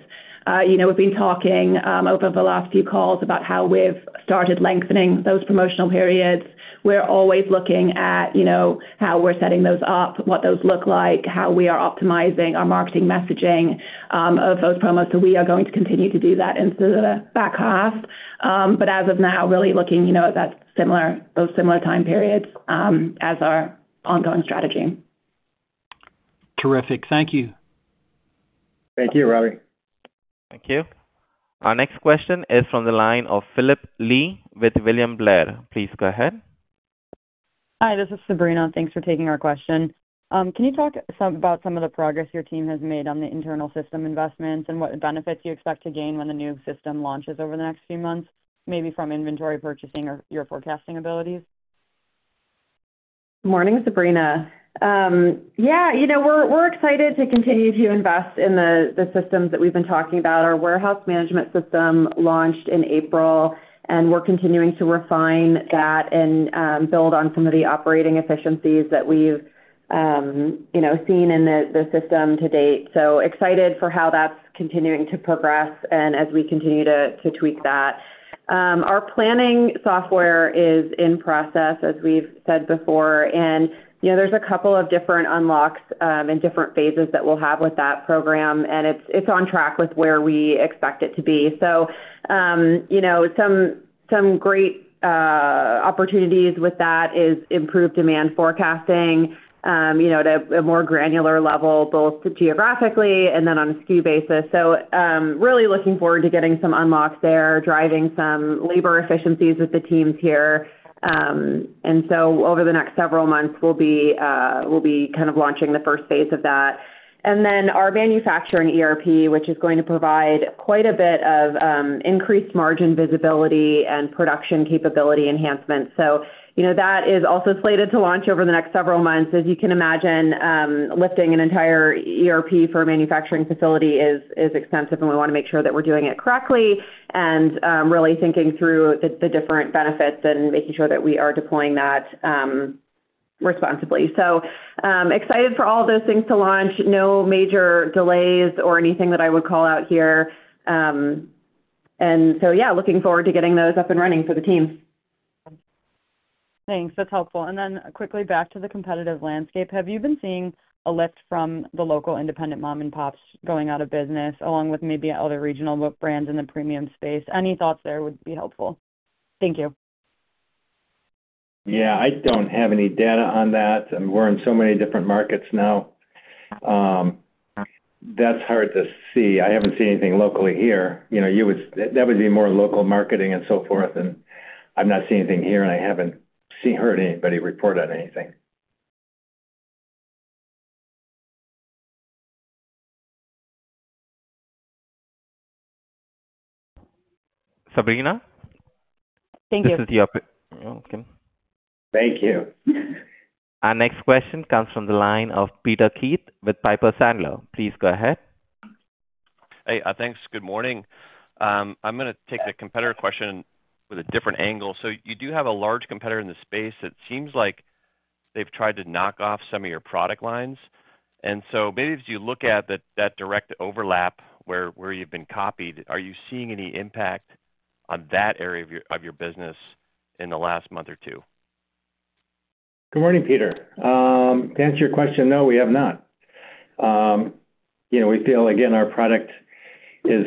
You know, we've been talking over the last few calls about how we've started lengthening those promotional periods. We're always looking at, you know, how we're setting those up, what those look like, how we are optimizing our marketing messaging of those promos. So we are going to continue to do that into the back half. But as of now, really looking, you know, at that similar, those similar time periods, as our ongoing strategy. Terrific. Thank you. Thank you, Robbie. Thank you. Our next question is from the line of Phillip Blee with William Blair. Please go ahead. Hi, this is Sabrina. Thanks for taking our question. Can you talk some about some of the progress your team has made on the internal system investments and what benefits you expect to gain when the new system launches over the next few months, maybe from inventory purchasing or your forecasting abilities? Morning, Sabrina. Yeah, you know, we're excited to continue to invest in the systems that we've been talking about. Our warehouse management system launched in April, and we're continuing to refine that and build on some of the operating efficiencies that we've you know seen in the system to date. So excited for how that's continuing to progress and as we continue to tweak that. Our planning software is in process, as we've said before, and you know there's a couple of different unlocks and different phases that we'll have with that program, and it's on track with where we expect it to be. So you know some great opportunities with that is improved demand forecasting you know at a more granular level, both geographically and then on a SKU basis. So, really looking forward to getting some unlocks there, driving some labor efficiencies with the teams here. And so over the next several months, we'll be kind of launching the first phase of that. And then our manufacturing ERP, which is going to provide quite a bit of increased margin visibility and production capability enhancements. So, you know, that is also slated to launch over the next several months. As you can imagine, lifting an entire ERP for a manufacturing facility is extensive, and we want to make sure that we're doing it correctly and really thinking through the different benefits and making sure that we are deploying that responsibly. So, excited for all of those things to launch. No major delays or anything that I would call out here. And so yeah, looking forward to getting those up and running for the team. Thanks. That's helpful. And then quickly back to the competitive landscape. Have you been seeing a lift from the local independent mom-and-pops going out of business, along with maybe other regional brands in the premium space? Any thoughts there would be helpful. Thank you. Yeah, I don't have any data on that, and we're in so many different markets now. That's hard to see. I haven't seen anything locally here. You know, you would, that would be more local marketing and so forth, and I've not seen anything here, and I haven't seen, heard anybody report on anything. Sabrina? Thank you. Thank you. Our next question comes from the line of Peter Keith with Piper Sandler. Please go ahead. Hey, thanks. Good morning. I'm gonna take the competitor question with a different angle. So you do have a large competitor in this space. It seems like they've tried to knock off some of your product lines. And so maybe as you look at that, that direct overlap where, where you've been copied, are you seeing any impact on that area of your, of your business in the last month or two? Good morning, Peter. To answer your question, no, we have not. You know, we feel, again, our product is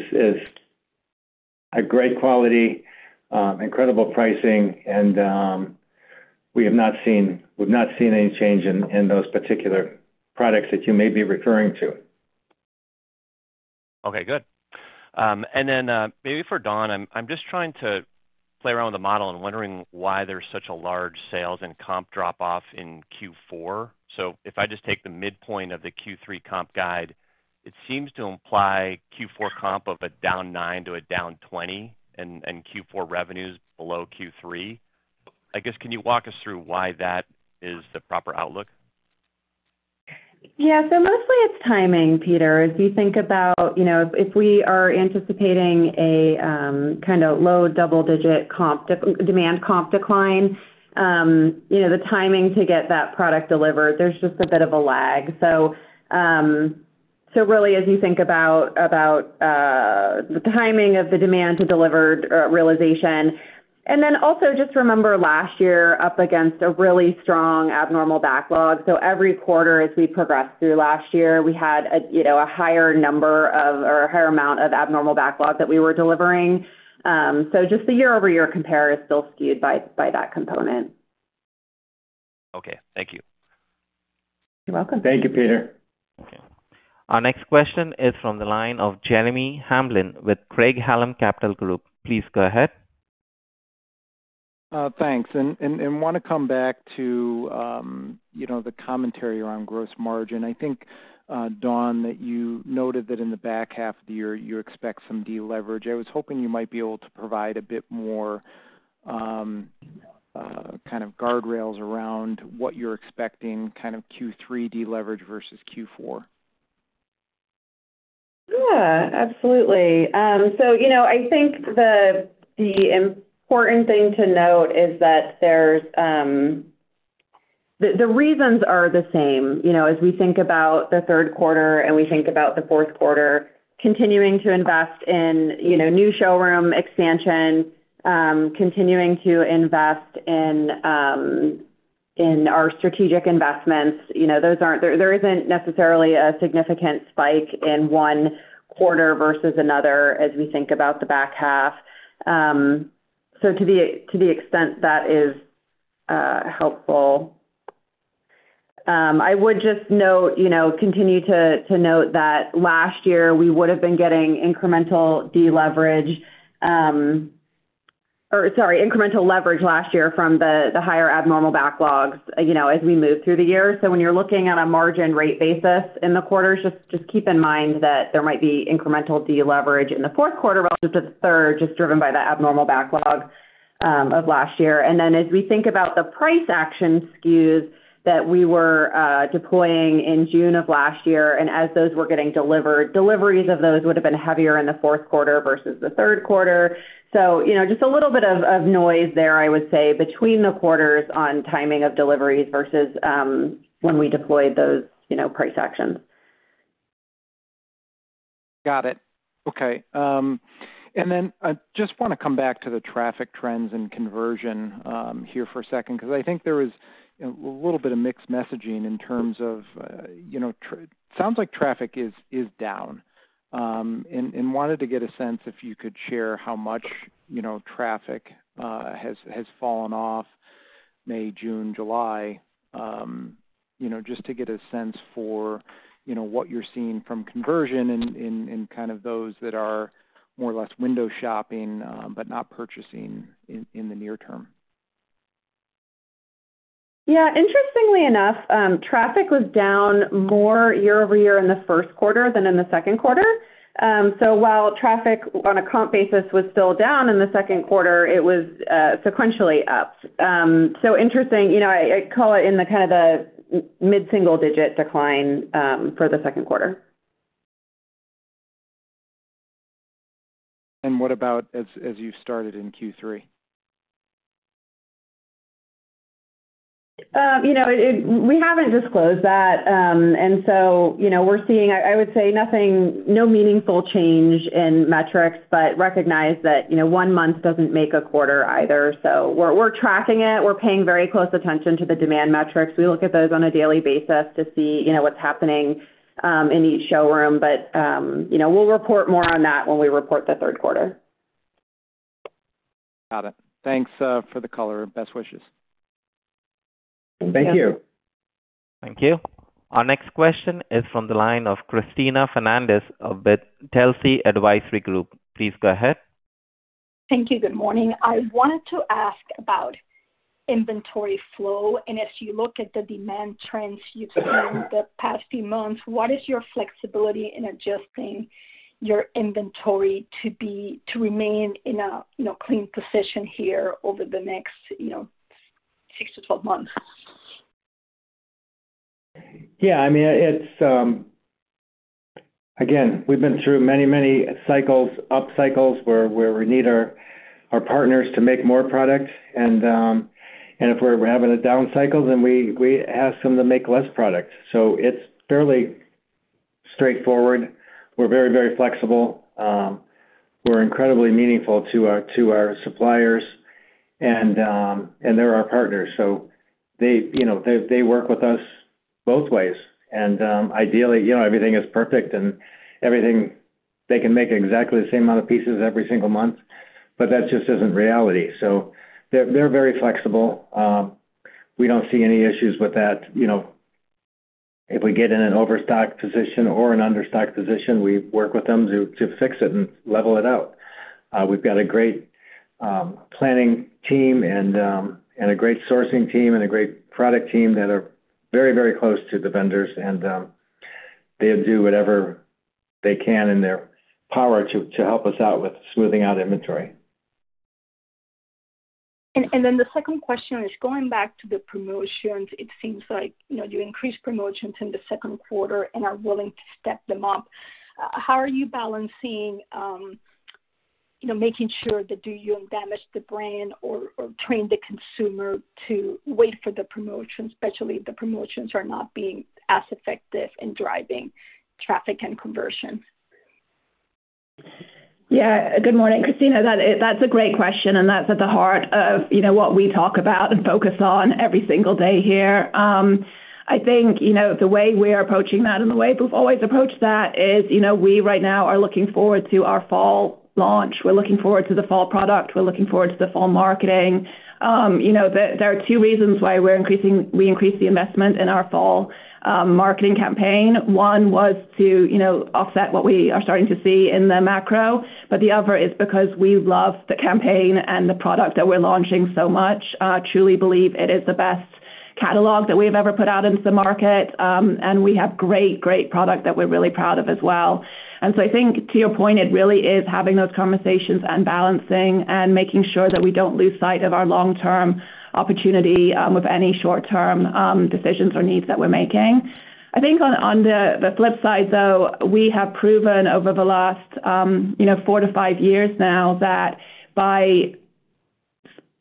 a great quality, incredible pricing, and we have not seen, we've not seen any change in those particular products that you may be referring to. Okay, good. And then, maybe for Dawn, I'm just trying to play around with the model and wondering why there's such a large sales and comp drop-off in Q4. So if I just take the midpoint of the Q3 comp guide, it seems to imply Q4 comp of down 9% to down 20%, and Q4 revenues below Q3. I guess, can you walk us through why that is the proper outlook? Yeah. So mostly it's timing, Peter. If you think about, you know, if we are anticipating a kind of low double-digit comp demand comp decline, you know, the timing to get that product delivered, there's just a bit of a lag. So really, as you think about about the timing of the demand to delivered realization, and then also just remember last year, up against a really strong abnormal backlog. So every quarter, as we progressed through last year, we had a you know, a higher number of or a higher amount of abnormal backlog that we were delivering. So just the year-over-year compare is still skewed by that component. Okay, thank you. You're welcome. Thank you, Peter. Our next question is from the line of Jeremy Hamblin with Craig-Hallum Capital Group. Please go ahead. Thanks. And want to come back to, you know, the commentary around gross margin. I think, Dawn, that you noted that in the back half of the year, you expect some deleverage. I was hoping you might be able to provide a bit more, kind of guardrails around what you're expecting, kind of Q3 deleverage versus Q4. Yeah, absolutely. So you know, I think the important thing to note is that there's the reasons are the same, you know, as we think about the third quarter, and we think about the fourth quarter, continuing to invest in, you know, new showroom expansion, continuing to invest in our strategic investments. You know, those aren't. There isn't necessarily a significant spike in one quarter versus another as we think about the back half. So to the extent that is helpful, I would just note, you know, continue to note that last year, we would've been getting incremental deleverage, or sorry, incremental leverage last year from the higher abnormal backlogs, you know, as we moved through the year. So when you're looking at a margin rate basis in the quarters, just, just keep in mind that there might be incremental deleverage in the fourth quarter versus the third, just driven by the abnormal backlog of last year. And then as we think about the price action SKUs that we were deploying in June of last year, and as those were getting delivered, deliveries of those would've been heavier in the fourth quarter versus the third quarter. So, you know, just a little bit of noise there, I would say, between the quarters on timing of deliveries versus when we deployed those, you know, price actions. Got it. Okay. And then I just want to come back to the traffic trends and conversion here for a second, because I think there was, you know, a little bit of mixed messaging in terms of, you know, sounds like traffic is down. And wanted to get a sense, if you could share, how much, you know, traffic has fallen off May, June, July, you know, just to get a sense for, you know, what you're seeing from conversion and kind of those that are more or less window shopping but not purchasing in the near term. Yeah, interestingly enough, traffic was down more year-over-year in the first quarter than in the second quarter. So while traffic on a comp basis was still down in the second quarter, it was sequentially up. So interesting, you know, I'd call it in the kind of mid-single digit decline for the second quarter. And what about as you've started in Q3? You know, we haven't disclosed that, and so, you know, we're seeing, I would say, no meaningful change in metrics, but recognize that, you know, one month doesn't make a quarter either. So we're tracking it. We're paying very close attention to the demand metrics. We look at those on a daily basis to see, you know, what's happening in each showroom. But, you know, we'll report more on that when we report the third quarter. Got it. Thanks, for the color. Best wishes. Thank you. Thank you. Our next question is from the line of Cristina Fernández of the Telsey Advisory Group. Please go ahead. Thank you. Good morning. I wanted to ask about inventory flow, and as you look at the demand trends you've seen in the past few months, what is your flexibility in adjusting your inventory to be—to remain in a, you know, clean position here over the next, you know, 6 months-12 months? Yeah, I mean, it's. Again, we've been through many, many cycles, up cycles, where we need our partners to make more products, and if we're having a down cycle, then we ask them to make less products. So it's fairly straightforward. We're very, very flexible. We're incredibly meaningful to our suppliers, and they're our partners, so they, you know, they work with us both ways. And ideally, you know, everything is perfect and everything, they can make exactly the same amount of pieces every single month, but that just isn't reality. So they're very flexible. We don't see any issues with that. You know, if we get in an overstocked position or an understocked position, we work with them to fix it and level it out. We've got a great planning team and a great sourcing team and a great product team that are very, very close to the vendors, and they'll do whatever they can in their power to help us out with smoothing out inventory. And then the second question is going back to the promotions. It seems like, you know, you increased promotions in the second quarter and are willing to step them up. How are you balancing, you know, making sure that you don't damage the brand or train the consumer to wait for the promotion, especially if the promotions are not being as effective in driving traffic and conversion? Yeah. Good morning, Cristina. That is—that's a great question, and that's at the heart of, you know, what we talk about and focus on every single day here. I think, you know, the way we're approaching that and the way we've always approached that is, you know, we right now are looking forward to our fall launch. We're looking forward to the fall product. We're looking forward to the fall marketing. You know, there, there are two reasons why we're increasing—we increased the investment in our fall marketing campaign. One was to, you know, offset what we are starting to see in the macro, but the other is because we love the campaign and the product that we're launching so much, truly believe it is the best catalog that we have ever put out into the market. And we have great, great product that we're really proud of as well. So I think to your point, it really is having those conversations and balancing and making sure that we don't lose sight of our long-term opportunity with any short-term decisions or needs that we're making. I think on the flip side, though, we have proven over the last, you know, 4 years-5 years now, that by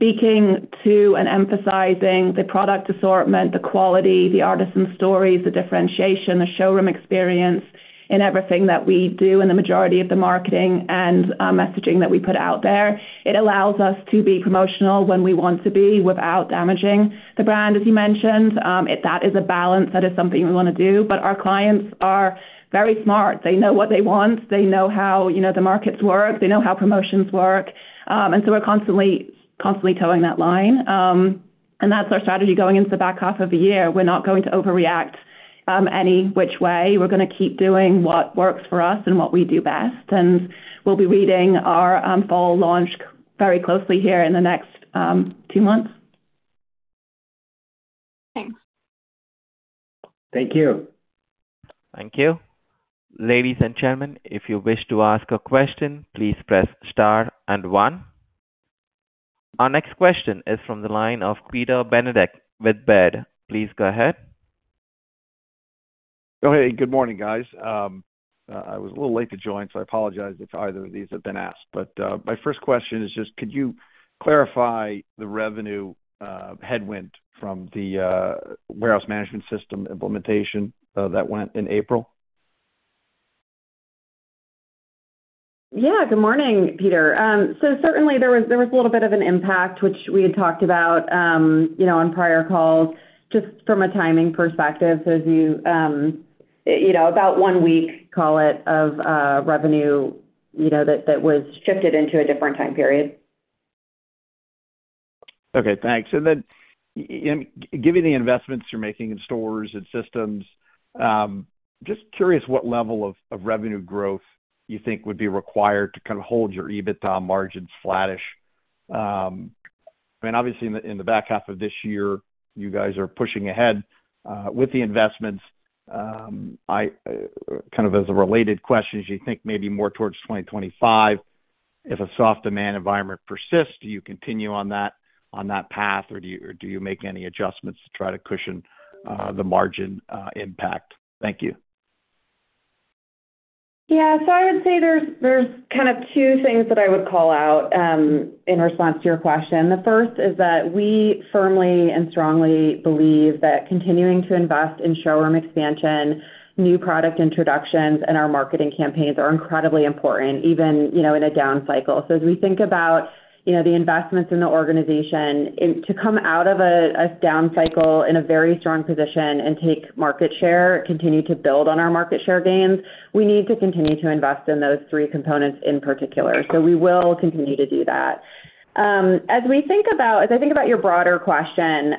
speaking to and emphasizing the product assortment, the quality, the artisan stories, the differentiation, the showroom experience in everything that we do in the majority of the marketing and messaging that we put out there, it allows us to be promotional when we want to be without damaging the brand, as you mentioned. That is a balance, that is something we want to do. But our clients are very smart. They know what they want. They know how, you know, the markets work. They know how promotions work. And so we're constantly, constantly toeing that line. And that's our strategy going into the back half of the year. We're not going to overreact any which way. We're going to keep doing what works for us and what we do best, and we'll be reading our fall launch very closely here in the next two months. Thanks. Thank you. Thank you. Ladies and gentlemen, if you wish to ask a question, please press star and one. Our next question is from the line of Peter Benedict with Baird. Please go ahead. Oh, hey, good morning, guys. I was a little late to join, so I apologize if either of these have been asked. But, my first question is just, could you clarify the revenue headwind from the warehouse management system implementation that went in April? Yeah, good morning, Peter. So certainly there was, there was a little bit of an impact, which we had talked about, you know, on prior calls, just from a timing perspective. So as you, you know, about one week, call it, of revenue, you know, that, that was shifted into a different time period. Okay, thanks. And then given the investments you're making in stores and systems, just curious what level of revenue growth you think would be required to kind of hold your EBITDA margins flattish? I mean, obviously, in the back half of this year, you guys are pushing ahead with the investments. I kind of as a related question, as you think maybe more towards 2025, if a soft demand environment persists, do you continue on that path, or do you make any adjustments to try to cushion the margin impact? Thank you. Yeah. So I would say there's kind of two things that I would call out, in response to your question. The first is that we firmly and strongly believe that continuing to invest in showroom expansion, new product introductions, and our marketing campaigns are incredibly important, even, you know, in a down cycle. So as we think about, you know, the investments in the organization, and to come out of a down cycle in a very strong position and take market share, continue to build on our market share gains, we need to continue to invest in those three components in particular. So we will continue to do that. As I think about your broader question,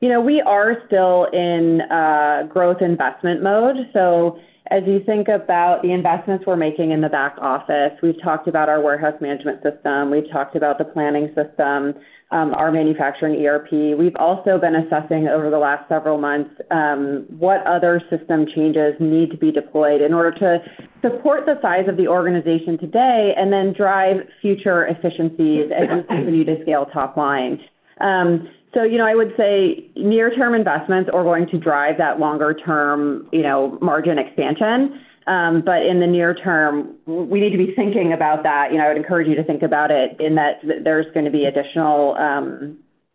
you know, we are still in growth investment mode. So as you think about the investments we're making in the back office, we've talked about our warehouse management system, we've talked about the planning system, our manufacturing ERP. We've also been assessing over the last several months, what other system changes need to be deployed in order to support the size of the organization today and then drive future efficiencies as we continue to scale top line. So, you know, I would say near-term investments are going to drive that longer-term, you know, margin expansion. But in the near term, we need to be thinking about that. You know, I would encourage you to think about it in that there's gonna be additional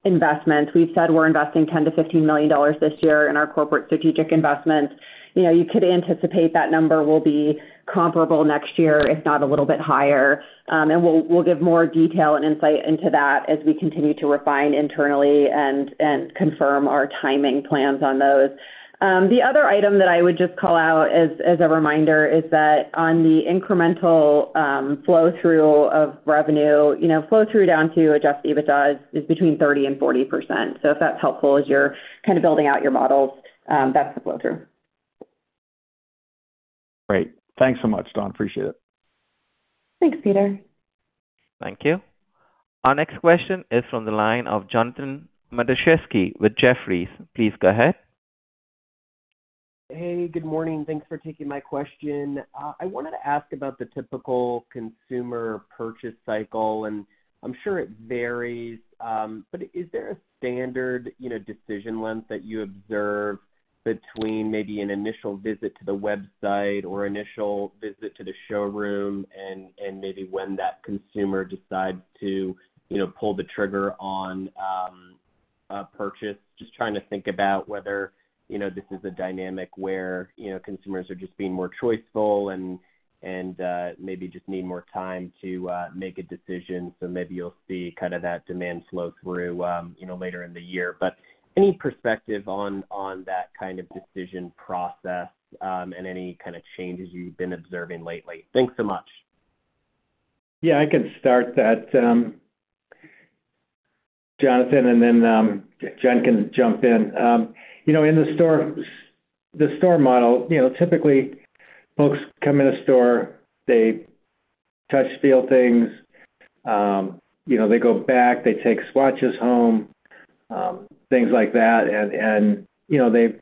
investments. We've said we're investing $10 million-$15 million this year in our corporate strategic investments. You know, you could anticipate that number will be comparable next year, if not a little bit higher. We'll give more detail and insight into that as we continue to refine internally and confirm our timing plans on those. The other item that I would just call out as a reminder is that on the incremental flow-through of revenue, you know, flow-through down to Adjusted EBITDA is between 30% and 40%. So if that's helpful as you're kind of building out your models, that's the flow-through. Great. Thanks so much, Dawn. Appreciate it. Thanks, Peter. Thank you. Our next question is from the line of Jonathan Matuszewski with Jefferies. Please go ahead. Hey, good morning. Thanks for taking my question. I wanted to ask about the typical consumer purchase cycle, and I'm sure it varies, but is there a standard, you know, decision length that you observe between maybe an initial visit to the website or initial visit to the showroom and maybe when that consumer decides to, you know, pull the trigger on a purchase? Just trying to think about whether, you know, this is a dynamic where, you know, consumers are just being more choiceful and maybe just need more time to make a decision. So maybe you'll see kind of that demand slow through later in the year. But any perspective on that kind of decision process and any kind of changes you've been observing lately? Thanks so much. Yeah, I can start that, Jonathan, and then Jen can jump in. You know, in the store, the store model, you know, typically folks come in a store, they touch, feel things, you know, they go back, they take swatches home, things like that. And you know, they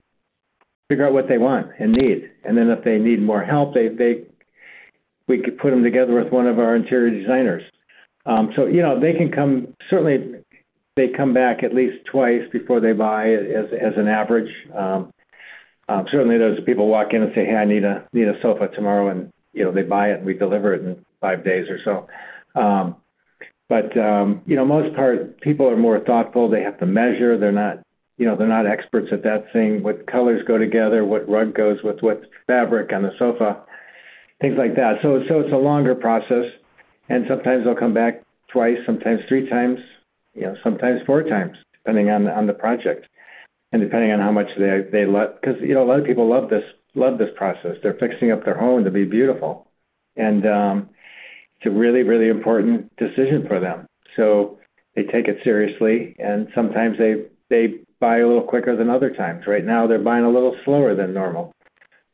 figure out what they want and need. And then if they need more help, they. We could put them together with one of our interior designers. So, you know, they can come, certainly, they come back at least twice before they buy as an average. Certainly, there's people walk in and say, "Hey, I need a sofa tomorrow," and, you know, they buy it, and we deliver it in five days or so. But, you know, most part, people are more thoughtful. They have to measure. They're not, you know, they're not experts at that thing. What colors go together? What rug goes with what fabric on the sofa? Things like that. So it's a longer process, and sometimes they'll come back twice, sometimes three times, you know, sometimes four times, depending on the project, and depending on how much they love. Because, you know, a lot of people love this, love this process. They're fixing up their home to be beautiful, and it's a really, really important decision for them. So they take it seriously, and sometimes they buy a little quicker than other times. Right now, they're buying a little slower than normal,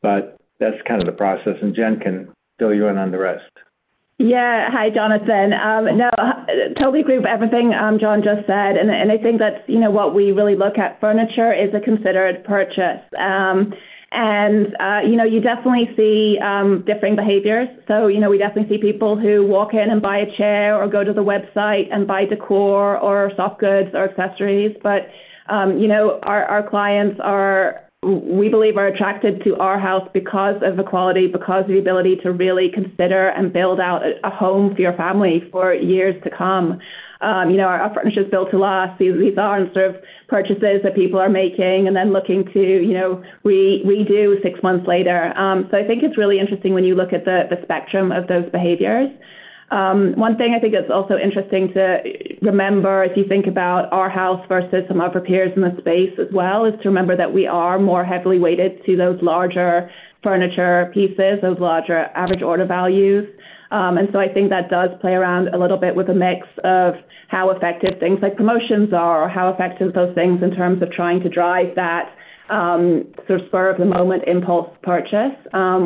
but that's kind of the process, and Jen can fill you in on the rest. Yeah. Hi, Jonathan. No, totally agree with everything, John just said, and I think that's, you know, what we really look at. Furniture is a considered purchase. And, you know, you definitely see differing behaviors. So, you know, we definitely see people who walk in and buy a chair or go to the website and buy decor or soft goods or accessories. But, you know, our clients are, we believe, are attracted to Arhaus because of the quality, because of the ability to really consider and build out a home for your family for years to come. You know, our furniture is built to last. These aren't sort of purchases that people are making and then looking to, you know, redo six months later. So I think it's really interesting when you look at the spectrum of those behaviors. One thing I think that's also interesting to remember, if you think about Arhaus versus some of our peers in the space as well, is to remember that we are more heavily weighted to those larger furniture pieces, those larger average order values. And so I think that does play around a little bit with the mix of how effective things like promotions are, or how effective those things, in terms of trying to drive that sort of spur of the moment impulse purchase.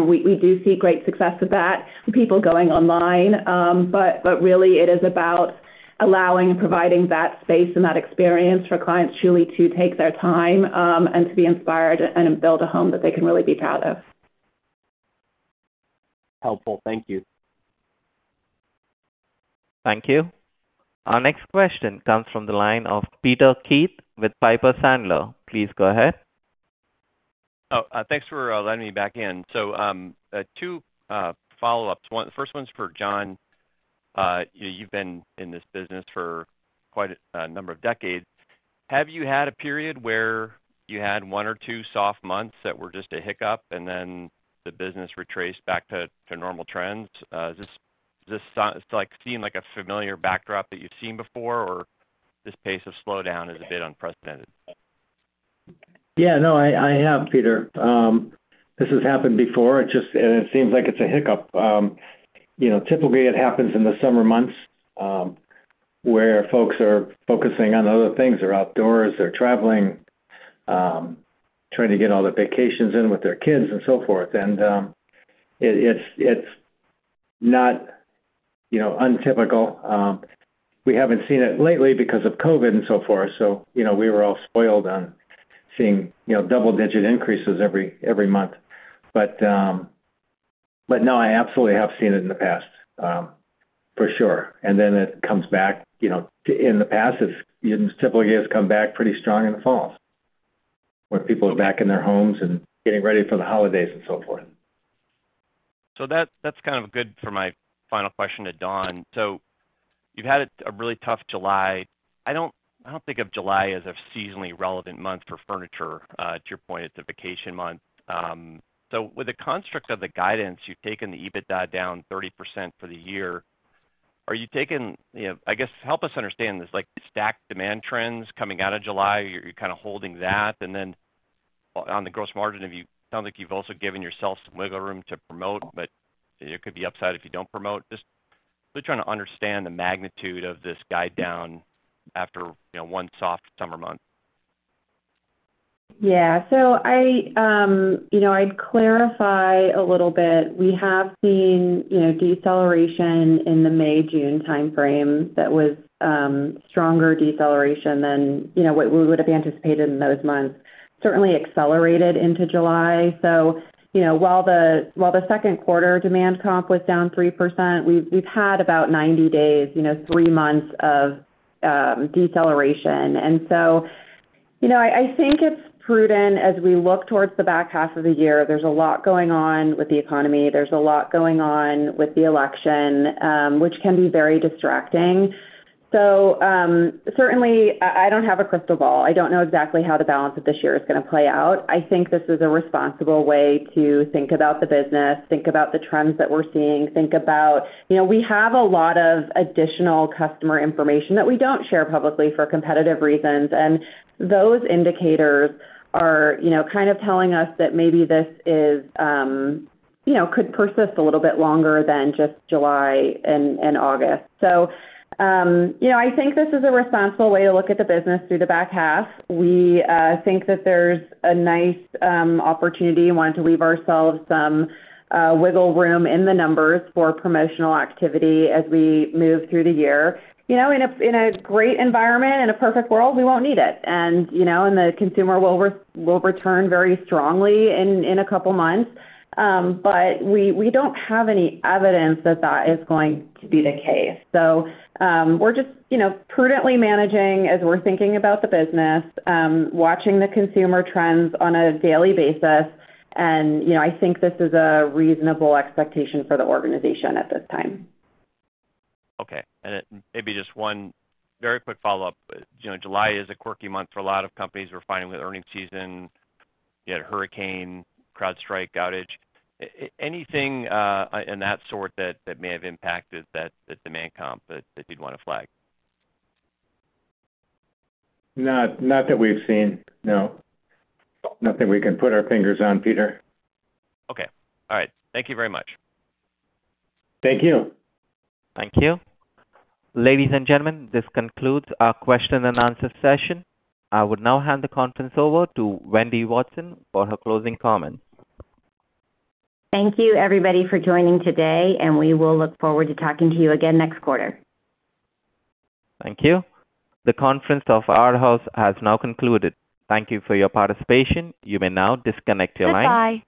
We do see great success of that, people going online, but really it is about allowing and providing that space and that experience for clients truly to take their time, and to be inspired and build a home that they can really be proud of. Helpful. Thank you. Thank you. Our next question comes from the line of Peter Keith with Piper Sandler. Please go ahead. Oh, thanks for letting me back in. So, two follow-ups. One, the first one's for John. You've been in this business for quite a number of decades. Have you had a period where you had one or two soft months that were just a hiccup, and then the business retraced back to normal trends? Does this sound like seem like a familiar backdrop that you've seen before, or this pace of slowdown is a bit unprecedented? Yeah, no, I have, Peter. This has happened before. It just... And it seems like it's a hiccup. You know, typically, it happens in the summer months, where folks are focusing on other things. They're outdoors, they're traveling, trying to get all the vacations in with their kids and so forth. And, it, it's not, you know, untypical. We haven't seen it lately because of COVID and so forth, so, you know, we were all spoiled on seeing, you know, double-digit increases every month. But, but no, I absolutely have seen it in the past, for sure. And then it comes back, you know, in the past, it's typically has come back pretty strong in the fall, where people are back in their homes and getting ready for the holidays and so forth. So that's kind of good for my final question to Dawn. So you've had a really tough July. I don't think of July as a seasonally relevant month for furniture. To your point, it's a vacation month. So with the construct of the guidance, you've taken the EBITDA down 30% for the year. Are you taking... You know, I guess, help us understand this, like, stacked demand trends coming out of July, you're kind of holding that. And then on the gross margin, have you—sounds like you've also given yourself some wiggle room to promote, but it could be upside if you don't promote. Just really trying to understand the magnitude of this guide down after, you know, one soft summer month. Yeah. So I, you know, I'd clarify a little bit. We have seen, you know, deceleration in the May-June timeframe. That was stronger deceleration than, you know, what we would have anticipated in those months. Certainly accelerated into July. So, you know, while the second quarter demand comp was down 3%, we've had about 90 days, you know, three months of deceleration. And so, you know, I think it's prudent as we look towards the back half of the year, there's a lot going on with the economy, there's a lot going on with the election, which can be very distracting. So certainly, I don't have a crystal ball. I don't know exactly how the balance of this year is gonna play out. I think this is a responsible way to think about the business, think about the trends that we're seeing, think about... You know, we have a lot of additional customer information that we don't share publicly for competitive reasons, and those indicators are, you know, kind of telling us that maybe this is, you know, could persist a little bit longer than just July and, and August. So, you know, I think this is a responsible way to look at the business through the back half. We think that there's a nice opportunity and wanted to leave ourselves some wiggle room in the numbers for promotional activity as we move through the year. You know, in a great environment, in a perfect world, we won't need it, and, you know, and the consumer will return very strongly in a couple of months. But we don't have any evidence that that is going to be the case. So, we're just, you know, prudently managing as we're thinking about the business, watching the consumer trends on a daily basis, and, you know, I think this is a reasonable expectation for the organization at this time. Okay. And then maybe just one very quick follow-up. You know, July is a quirky month for a lot of companies. We're finding with earnings season, you had hurricane, CrowdStrike outage. Anything and that sort that may have impacted the demand comp that you'd want to flag? Not, not that we've seen. No. Nothing we can put our fingers on, Peter. Okay. All right. Thank you very much. Thank you. Thank you. Ladies and gentlemen, this concludes our question and answer session. I would now hand the conference over to Wendy Watson for her closing comments. Thank you, everybody, for joining today, and we will look forward to talking to you again next quarter. Thank you. The conference of Arhaus has now concluded. Thank you for your participation. You may now disconnect your line. Goodbye.